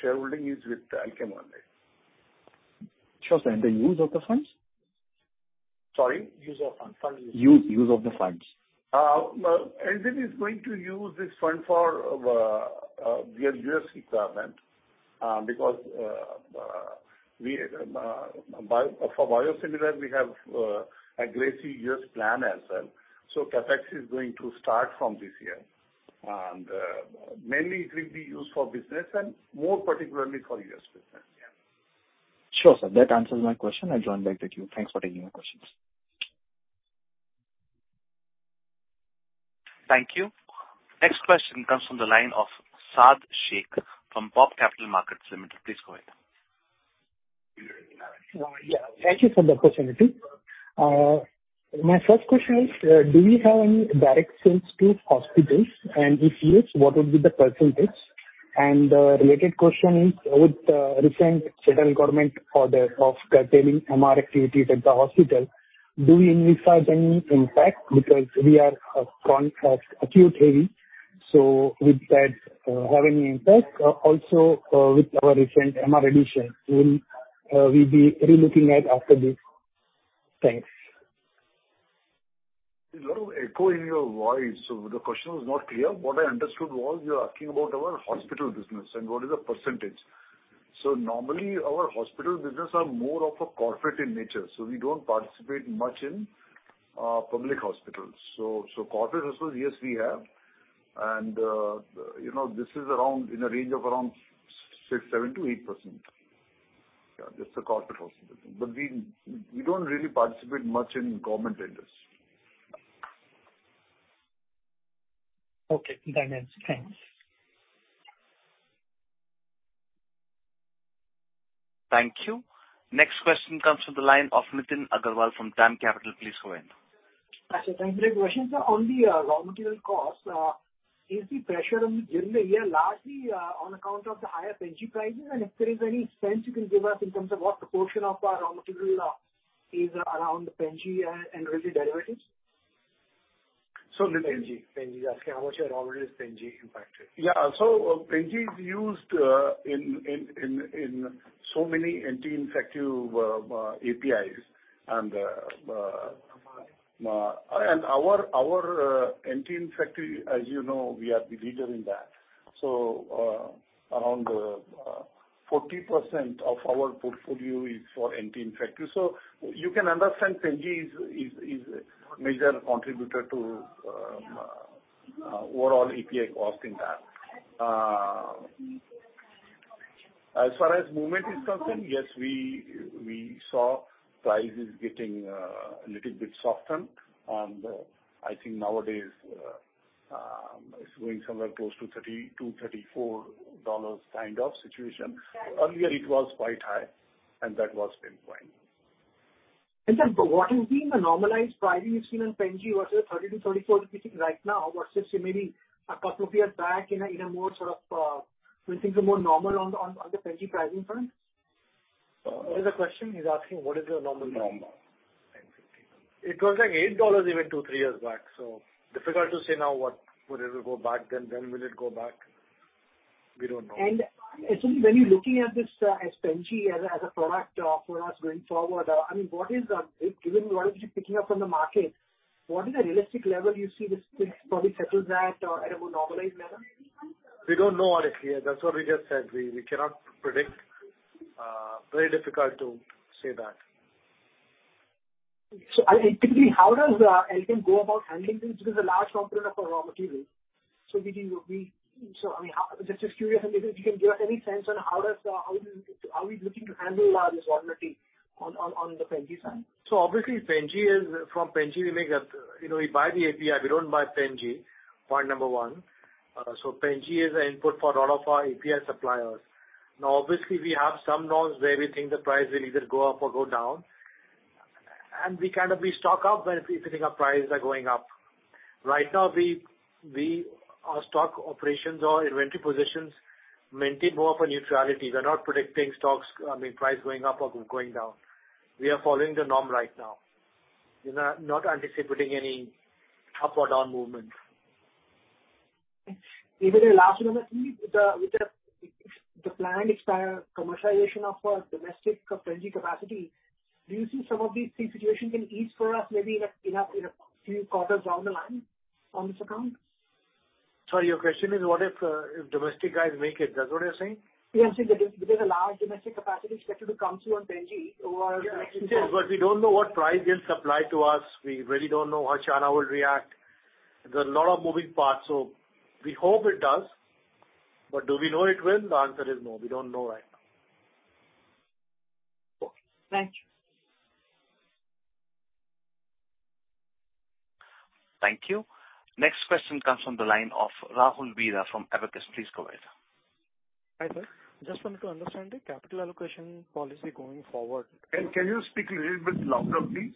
shareholding is with Alkem underway.
Sure, sir. The use of the funds?
Sorry, use of funds. Funds use.
Use of the funds.
Enzene is going to use this fund for U.S. equipment because we for biosimilar, we have aggressive U.S. plan as well. CapEx is going to start from this year. It will be used for business and more particularly for U.S. business.
Sure, sir. That answers my question. I'll join back the queue. Thanks for taking my questions.
Thank you. Next question comes from the line of Saad Sheikh from BOB Capital Markets Limited. Please go ahead.
Thank you for the opportunity. My first question is, do we have any direct sales to hospitals, and if yes, what would be the percentage? The related question is, with the recent federal government order of curtailing MR activities at the hospital, do we envisage any impact because we are acute heavy, so would that have any impact? Also, with our recent MR edition, will we be re-looking at after this? Thanks.
There's a lot of echo in your voice, the question was not clear. What I understood was you are asking about our hospital business and what is the percentage. Normally, our hospital business are more of a corporate in nature, so we don't participate much in public hospitals. Corporate hospitals, yes, we have. You know, this is around, in a range of around 6%-7% to 8%. Yeah, just the corporate hospitals. We don't really participate much in government tenders.
Okay. That answers. Thanks.
Thank you. Next question comes from the line of Nitin Agarwal from DAM Capital. Please go ahead.
Actually, thank you very much. Sir, on the raw material cost, is the pressure during the year largely on account of the higher benzyl prices? If there is any sense you can give us in terms of what the portion of our raw material is around the benzyl and really derivatives.
So the-
Benzyl. Asking how much your raw material is benzyl impacted.
Benzyl is used in so many anti-infective APIs. Our anti-infective, as you know, we are the leader in that. Around 40% of our portfolio is for anti-infective. You can understand benzyl is a major contributor to overall API cost in that. As far as movement is concerned, yes, we saw prices getting a little bit softened. I think nowadays, it's going somewhere close to $30-$34 kind of situation. Earlier it was quite high, and that was pinpoint.
What has been the normalized pricing you've seen on benzyl versus $30-$34, which you think right now versus maybe a couple of years back in a, in a more sort of, when things were more normal on the benzyl pricing front?
Uh.
That is the question. He's asking what is the normal pricing.
Normal. It was like $8 even two, three years back. Difficult to say now what, whether it'll go back then, when will it go back. We don't know.
Actually when you're looking at this, as benzyl as a product, for us going forward, I mean, given what you're picking up from the market, what is the realistic level you see this thing probably settles at a more normalized manner?
We don't know honestly. That's what we just said. We cannot predict. Very difficult to say that.
I mean, typically, how does Alkem go about handling this? Because a large component of our raw material. I mean, just as curious, I mean, if you can give any sense on how do you, how are we looking to handle this volatility on the benzyl side?
Obviously benzyl is, from benzyl we make up, you know, we buy the API, we don't buy benzyl, point number 1. Benzyl is an input for a lot of our API suppliers. Now, obviously we have some norms where we think the price will either go up or go down. We kind of, we stock up when we're thinking our prices are going up. Right now, our stock operations or inventory positions maintain more of a neutrality. We're not predicting stocks, I mean, price going up or going down. We are following the norm right now. We're not anticipating any up or down movement.
Even in the last number, with the planned expire commercialization of domestic benzyl capacity, do you see some of these three situations can ease for us maybe in a few quarters down the line on this account?
Your question is what if domestic guys make it? That's what you're saying?
Yes, because a large domestic capacity is scheduled to come through on benzyl over the next six months.
Yes, we don't know what price they'll supply to us. We really don't know how China will react. There's a lot of moving parts, so we hope it does. Do we know it will? The answer is no. We don't know right now.
Okay. Thank you.
Thank you. Next question comes from the line of Rahul Vira from Abacus. Please go ahead.
Hi, sir. Just wanted to understand the capital allocation policy going forward.
Can you speak a little bit louder, please?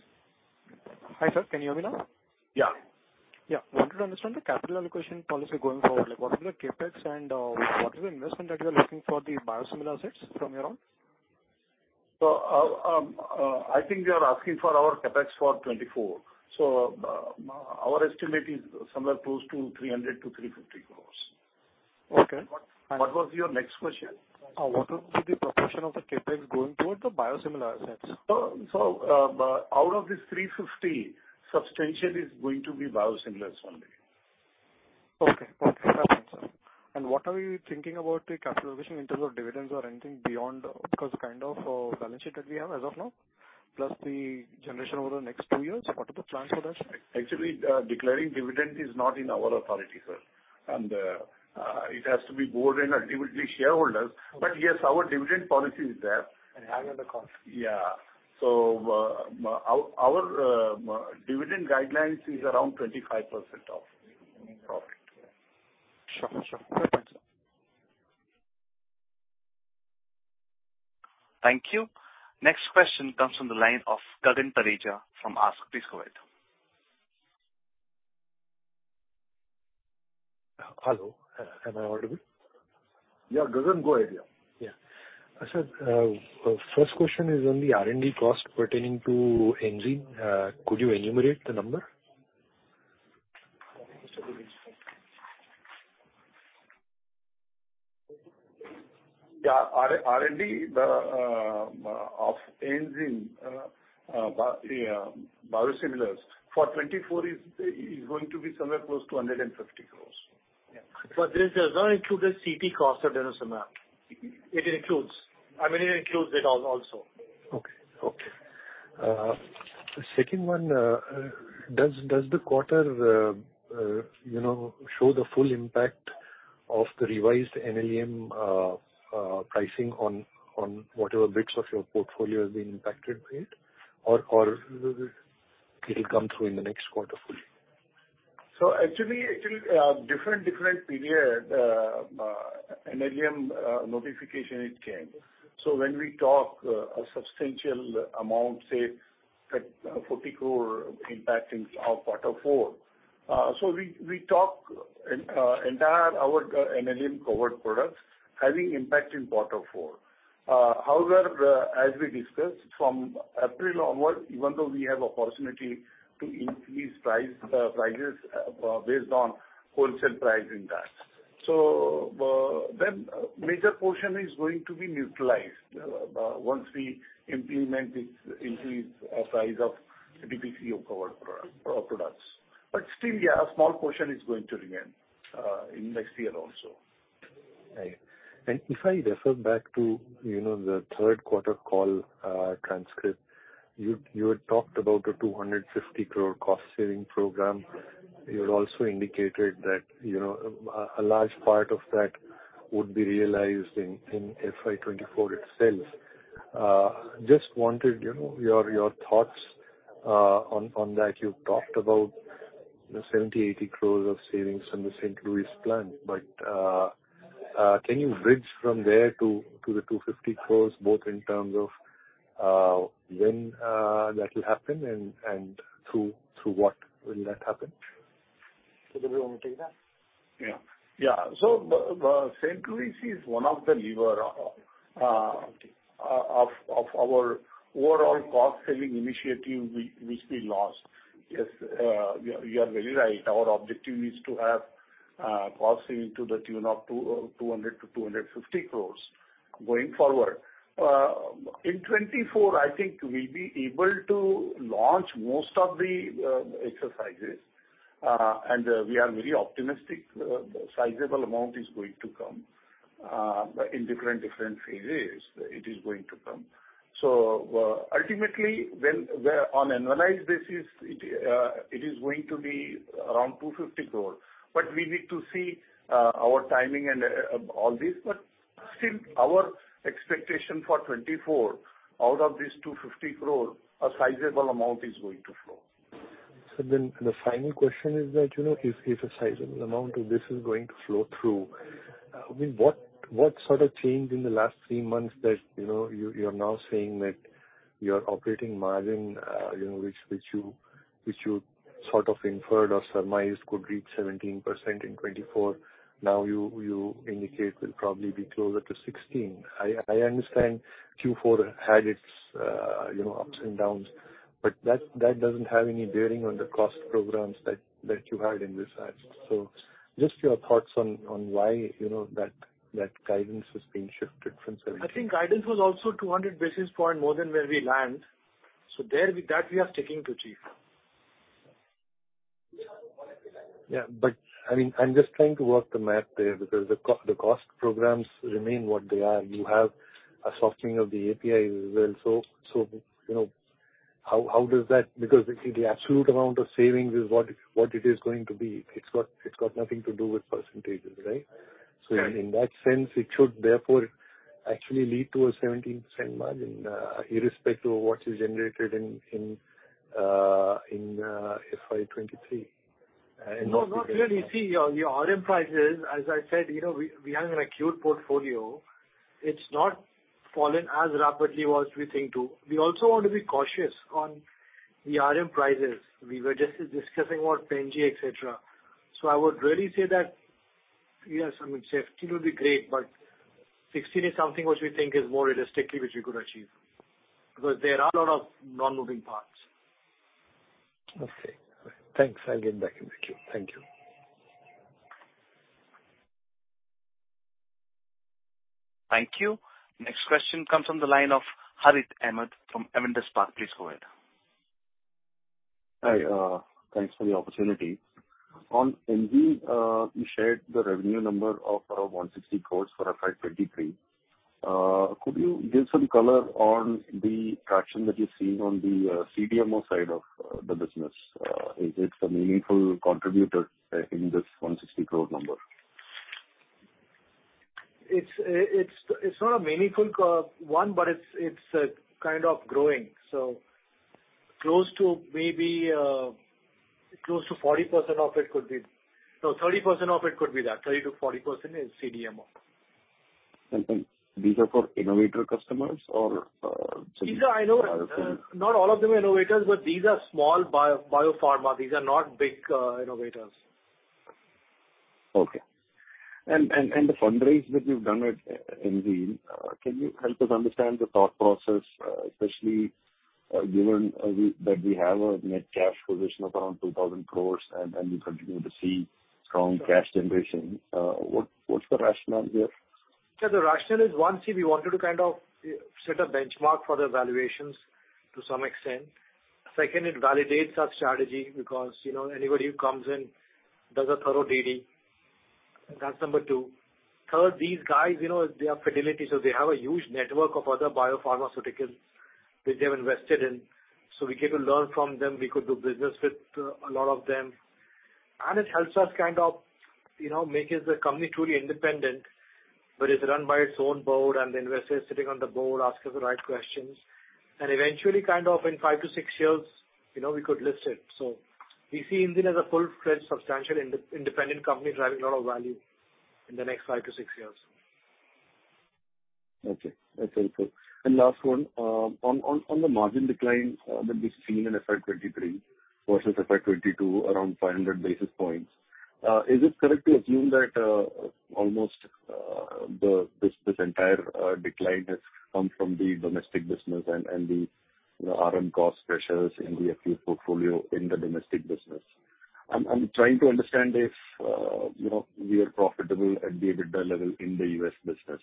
Hi, sir. Can you hear me now?
Yeah.
Yeah. Wanted to understand the capital allocation policy going forward, like what is the CapEx and what is the investment that you are looking for the biosimilar assets from here on?
I think you are asking for our CapEx for 2024. Our estimate is somewhere close to 300 crore-350 crore.
Okay.
What was your next question?
What would be the proportion of the CapEx going towards the biosimilar assets?
Out of this 350 crore, substantially it's going to be biosimilars only.
Okay. That's fine, sir. What are you thinking about the capital allocation in terms of dividends or anything beyond? The kind of, balance sheet that we have as of now, plus the generation over the next two years, what are the plans for that?
Actually, declaring dividend is not in our authority, sir. It has to be board and ultimately shareholders. Yes, our dividend policy is there.
High on the cost.
Yeah. Our dividend guidelines is around 25% of profit.
Sure, sure. Perfect.
Thank you. Next question comes from the line of Gagan Thareja from ASK. Please go ahead.
Hello. Am I audible?
Yeah. Gagan, go ahead. Yeah.
Yeah. I said, first question is on the R&D cost pertaining to Enzene. Could you enumerate the number?
Yeah. R&D of Enzene biosimilars for 2024 is going to be somewhere close to 150 crores. Yeah.
This does not include the CT cost of denosumab. I mean, it includes it also.
Okay. Okay. second one, does the quarter, you know, show the full impact of the revised NLEM pricing on whatever bits of your portfolio is being impacted by it? Or it'll come through in the next quarter fully?
Actually, it will different period NLEM notification it came. When we talk a substantial amount, say 40 crore impacting our quarter four. We talk entire our NLEM covered products having impact in quarter four. However, as we discussed from April onwards, even though we have opportunity to increase price, prices, based on wholesale price impact. Then major portion is going to be neutralized once we implement this increase of price of DPCO of covered products. Still, yeah, a small portion is going to remain in next year also.
Right. If I refer back to, you know, the third quarter call, transcript, you had talked about a 250 crore cost saving program. You had also indicated that, you know, a large part of that would be realized in FY 2024 itself. just wanted, you know, your thoughts on that. You've talked about the 70-80 crore of savings from the St. Louis plant, but, can you bridge from there to the 250 crore, both in terms of when that will happen and through what will that happen?
Dubey, you want me take that?
Yeah. Yeah. The St. Louis is one of the lever of our overall cost saving initiative which we launched. Yes. You are very right. Our objective is to have cost saving to the tune of 200 crore-250 crore going forward. In 2024, I think we'll be able to launch most of the exercises. We are very optimistic. Sizable amount is going to come in different phases it is going to come. Ultimately, when we're on annualized basis, it is going to be around 250 crore. We need to see our timing and all this. Still our expectation for 2024, out of this 250 crore, a sizable amount is going to flow.
The final question is that, you know, if a sizable amount of this is going to flow through, I mean, what sort of change in the last three months that, you know, you're now saying that your operating margin, you know, which you sort of inferred or surmised could reach 17% in 2024. Now you indicate will probably be closer to 16%. I understand Q4 had its, you know, ups and downs, but that doesn't have any bearing on the cost programs that you had in this. Just your thoughts on why you know that guidance has been shifted from 17%?
I think guidance was also 200 basis point more than where we land. There with that we are sticking to chief.
Yeah. I mean, I'm just trying to work the math there because the cost programs remain what they are. You have a softening of the APIs as well. You know, how does that? The absolute amount of savings is what it is going to be. It's got nothing to do with percentages, right?
Yeah.
In that sense, it should therefore actually lead to a 17% margin, irrespective of what is generated in FY 2023.
No, not really. See our RM prices, as I said, you know, we have an acute portfolio. It's not fallen as rapidly as we think to. We also want to be cautious on the RM prices. We were just discussing about Pen G, et cetera. I would really say that, yes, I mean, 16% would be great, but 16 is something which we think is more realistically which we could achieve. Because there are a lot of non-moving parts.
Okay. Thanks. I'll get back in the queue. Thank you.
Thank you. Next question comes from the line of Harit Kapoor from Emkay. Please go ahead.
Hi. Thanks for the opportunity. On Enzene, you shared the revenue number of 160 crores for FY 2023. Could you give some color on the traction that you're seeing on the CDMO side of the business? Is it a meaningful contributor in this 160 crore number?
It's not a meaningful co-one, but it's kind of growing. Close to maybe close to 40% of it could be. 30% of it could be that. 30%-40% is CDMO.
These are for innovator customers or?
These are innovators. Not all of them are innovators, but these are small bio, biopharma. These are not big innovators.
Okay. The fundraise that you've done at Enzene, can you help us understand the thought process, especially given that we have a net cash position of around 2,000 crores and we continue to see strong cash generation. What's the rationale here?
The rationale is, one, we wanted to kind of set a benchmark for the valuations to some extent. Second, it validates our strategy because, you know, anybody who comes in does a thorough DD. That's number two. Third, these guys, you know, they are facilities, so they have a huge network of other biopharmaceuticals that they've invested in. We get to learn from them. We could do business with a lot of them. It helps us kind of, you know, making the company truly independent, but it's run by its own board, and the investors sitting on the board ask us the right questions. Eventually, kind of in five to six years, you know, we could list it. We see Enzene as a full-fledged, substantial independent company driving a lot of value in the next five to six years.
Okay. That's helpful. Last one. On, on the margin decline that we've seen in FY 2023 versus FY 2022, around 500 basis points, is it correct to assume that almost this entire decline has come from the domestic business and the, you know, RM cost pressures in the FQ portfolio in the domestic business? I'm trying to understand if, you know, we are profitable at the EBITDA level in the U.S. business.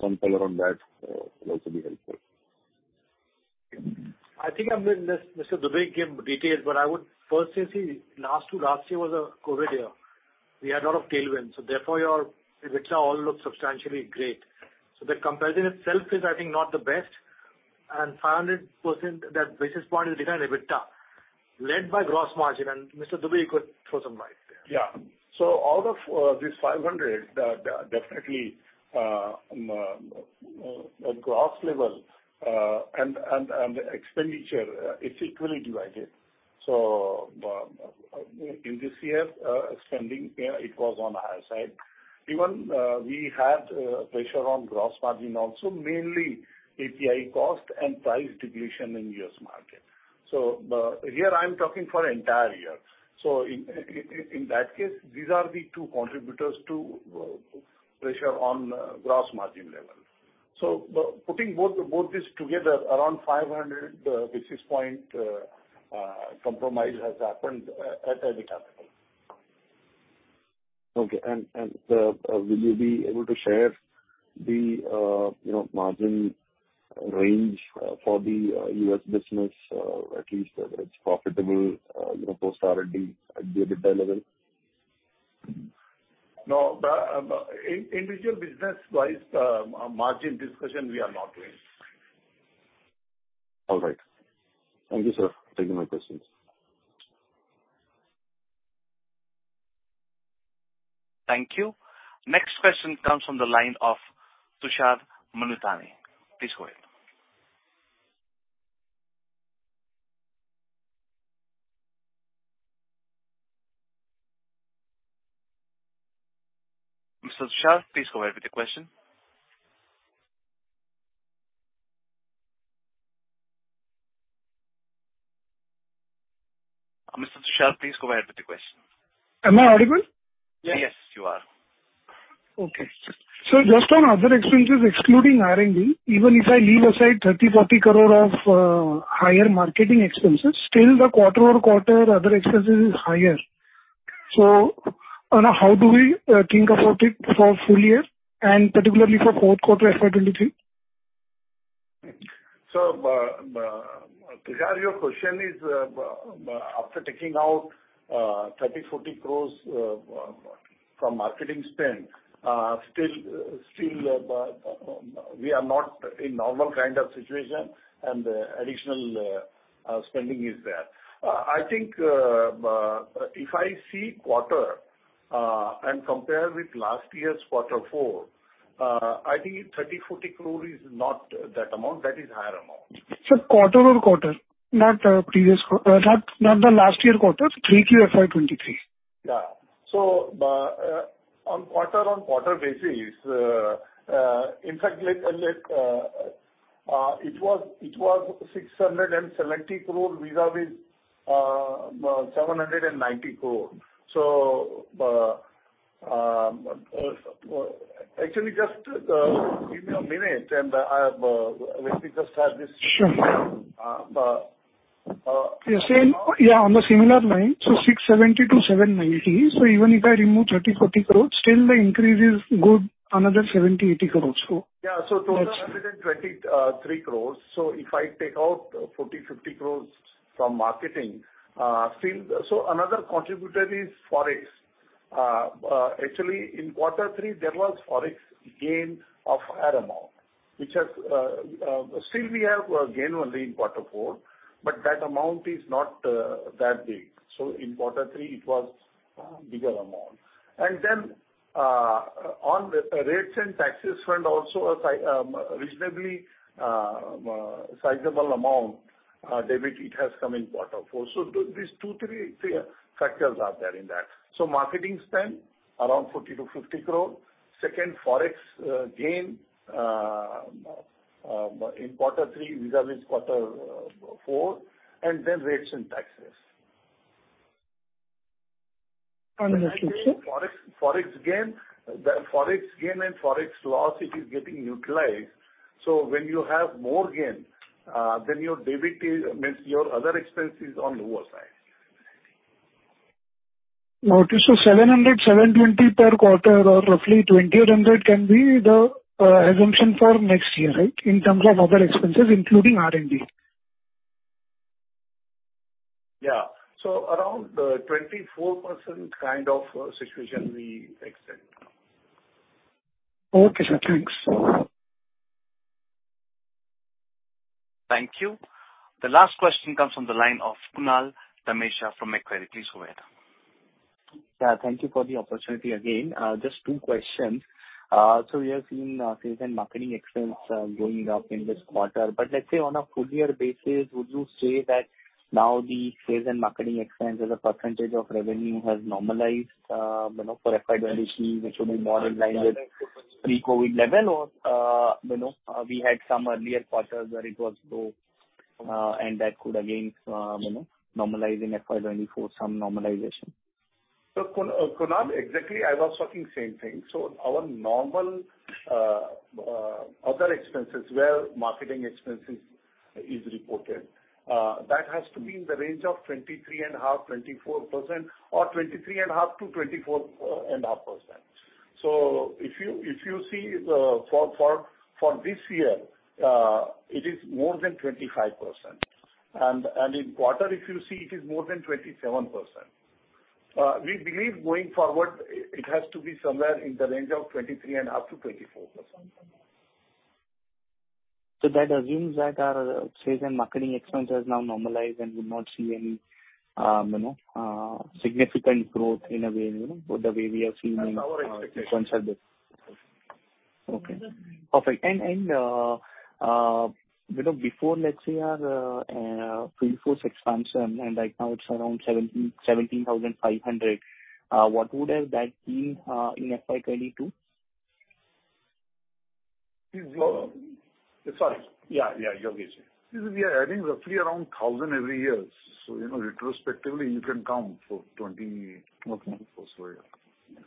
Some color on that will also be helpful.
I think, I mean, this, Mr. Dubey gave details. I would first say, see, last year was a COVID year. We had a lot of tailwinds, therefore your EBITDA all look substantially great. The comparison itself is, I think, not the best. 500%, that basis point is driven EBITDA, led by gross margin. Mr. Dubey could throw some light there.
Yeah. Out of this 500, definitely, at gross level, and expenditure, it's equally divided. In this year, spending, yeah, it was on the higher side. Even, we had pressure on gross margin also, mainly API cost and price depletion in U.S. market. Here I'm talking for entire year. In that case, these are the two contributors to pressure on gross margin level. Putting both this together, around 500 basis points, compromise has happened at EBITDA level.
Okay. Will you be able to share the, you know, margin range for the U.S. business, at least whether it's profitable, you know, post-R&D at the EBITDA level?
No. The individual business-wise, margin discussion we are not doing.
All right. Thank you, sir, for taking my questions.
Thank you. Next question comes from the line of Tushar Manudhane. Please go ahead. Mr. Tushar, please go ahead with the question.
Am I audible?
Yes, you are.
Okay. Just on other expenses excluding R&D, even if I leave aside 30 crore-40 crore of higher marketing expenses, still the quarter-over-quarter other expenses is higher. How do we think about it for full year and particularly for fourth quarter FY 2023?
Tushar, your question is, after taking out 30 crores-40 crores from marketing spend, still, we are not in normal kind of situation and additional spending is there. I think, if I see quarter, and compare with last year's quarter four, I think 30 crore-40 crore is not that amount. That is higher amount.
Quarter-over-quarter, not the last year quarter. It's Q3 FY 2023.
Yeah. On quarter on quarter basis, it was 670 crore vis-a-vis 790 crore. Actually, just give me a minute, and I have.
Sure.
Uh, uh-
You're saying, Yeah, on the similar line, 670-790. Even if I remove 30 crores, 40 crores, still the increase is good another 70, 80 crores.
Yeah.
That's-
Total 123 crore. If I take out 40-50 crore from marketing, another contributor is Forex. Actually in quarter three, there was Forex gain of higher amount, which has, still we have gain only in quarter four, but that amount is not that big, so in quarter three it was a bigger amount. Then, on the rates and taxes front also a reasonably sizable amount debit it has come in quarter four. These two three factors are there in that. Marketing spend around 40 crores-50 crore. Second, Forex gain in quarter three, which are in quarter four, and then rates and taxes.
Understood, sir.
Forex gain, the Forex gain and Forex loss, it is getting utilized. When you have more gain, then your debit is, means your other expense is on the lower side.
Okay. 700, 720 per quarter or roughly 2,800 can be the assumption for next year, right? In terms of other expenses, including R&D.
Yeah. Around 24% kind of situation we expect.
Okay, sir. Thanks.
Thank you. The last question comes from the line of Kunal Dhamesha from Macquarie. Please go ahead.
Yeah, thank you for the opportunity again. Just two questions. We have seen sales and marketing expense going up in this quarter. Let's say on a full year basis, would you say that now the sales and marketing expense as a percentage of revenue has normalized, you know, for FY 2023, which will be more in line with pre-COVID level or, you know, we had some earlier quarters where it was low, and that could again, you know, normalize in FY 2024, some normalization?
Kunal, exactly, I was talking same thing. Our normal other expenses where marketing expenses is reported, that has to be in the range of 23.5%, 24% or 23.5%-24.5%. If you see the... For this year, it is more than 25%. In quarter if you see it is more than 27%. We believe going forward, it has to be somewhere in the range of 23.5%-24%.
That assumes that our sales and marketing expense has now normalized and we'll not see any, you know, significant growth in a way, you know, with the way we have seen.
That's our expectation.
Okay. Perfect. You know, before, let's say our field force expansion, and right now it's around 17,500, what would have that been in FY 2022?
Sorry. Yeah. You go ahead.
We are adding roughly around 1,000 every year. You know, retrospectively you can count for 2024. Yeah.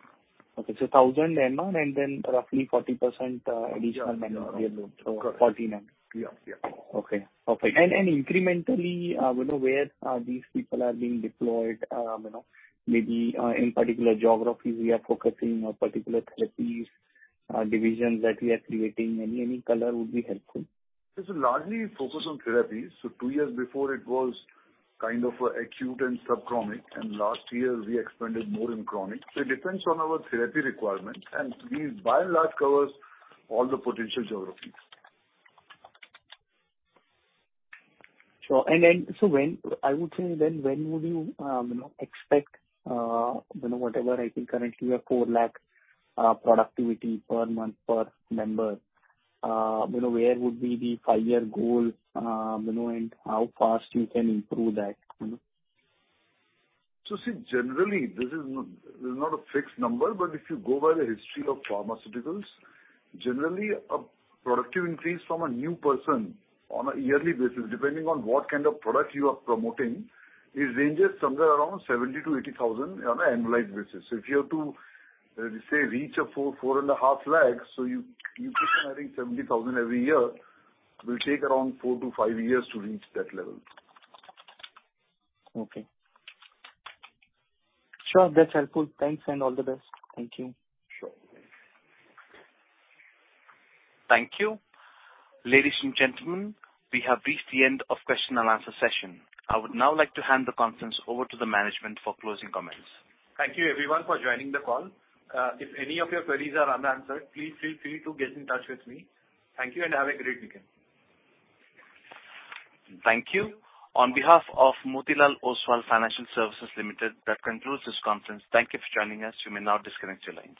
Okay. 1,000 annual and then roughly 40% additional annual. Yeah.
49%.
Yeah. Yeah.
Okay. Perfect. Incrementally, you know, where these people are being deployed, you know, maybe, in particular geographies we are focusing or particular therapies, divisions that we are creating. Any color would be helpful.
It's largely focused on therapies. Two years before it was kind of acute and subchronic, and last year we expanded more in chronic. It depends on our therapy requirements. We by and large covers all the potential geographies.
Sure. I would say then when would you know, expect, you know, whatever I think currently you have 4 lakh productivity per month per member? You know, where would be the five-year goal, you know, and how fast you can improve that, you know?
Generally this is not a fixed number, but if you go by the history of pharmaceuticals, generally a productive increase from a new person on a yearly basis, depending on what kind of product you are promoting, it ranges somewhere around 70,000-80,000 on an annualized basis. If you have to, let's say reach 4 lakhs-4.5 lakhs, you keep on adding 70,000 every year, it will take around four to five years to reach that level.
Okay. Sure. That's helpful. Thanks and all the best. Thank you.
Sure.
Thank you. Ladies and gentlemen, we have reached the end of question and answer session. I would now like to hand the conference over to the management for closing comments.
Thank you everyone for joining the call. If any of your queries are unanswered, please feel free to get in touch with me. Thank you and have a great weekend.
Thank you. On behalf of Motilal Oswal Financial Services Limited, that concludes this conference. Thank you for joining us. You may now disconnect your lines.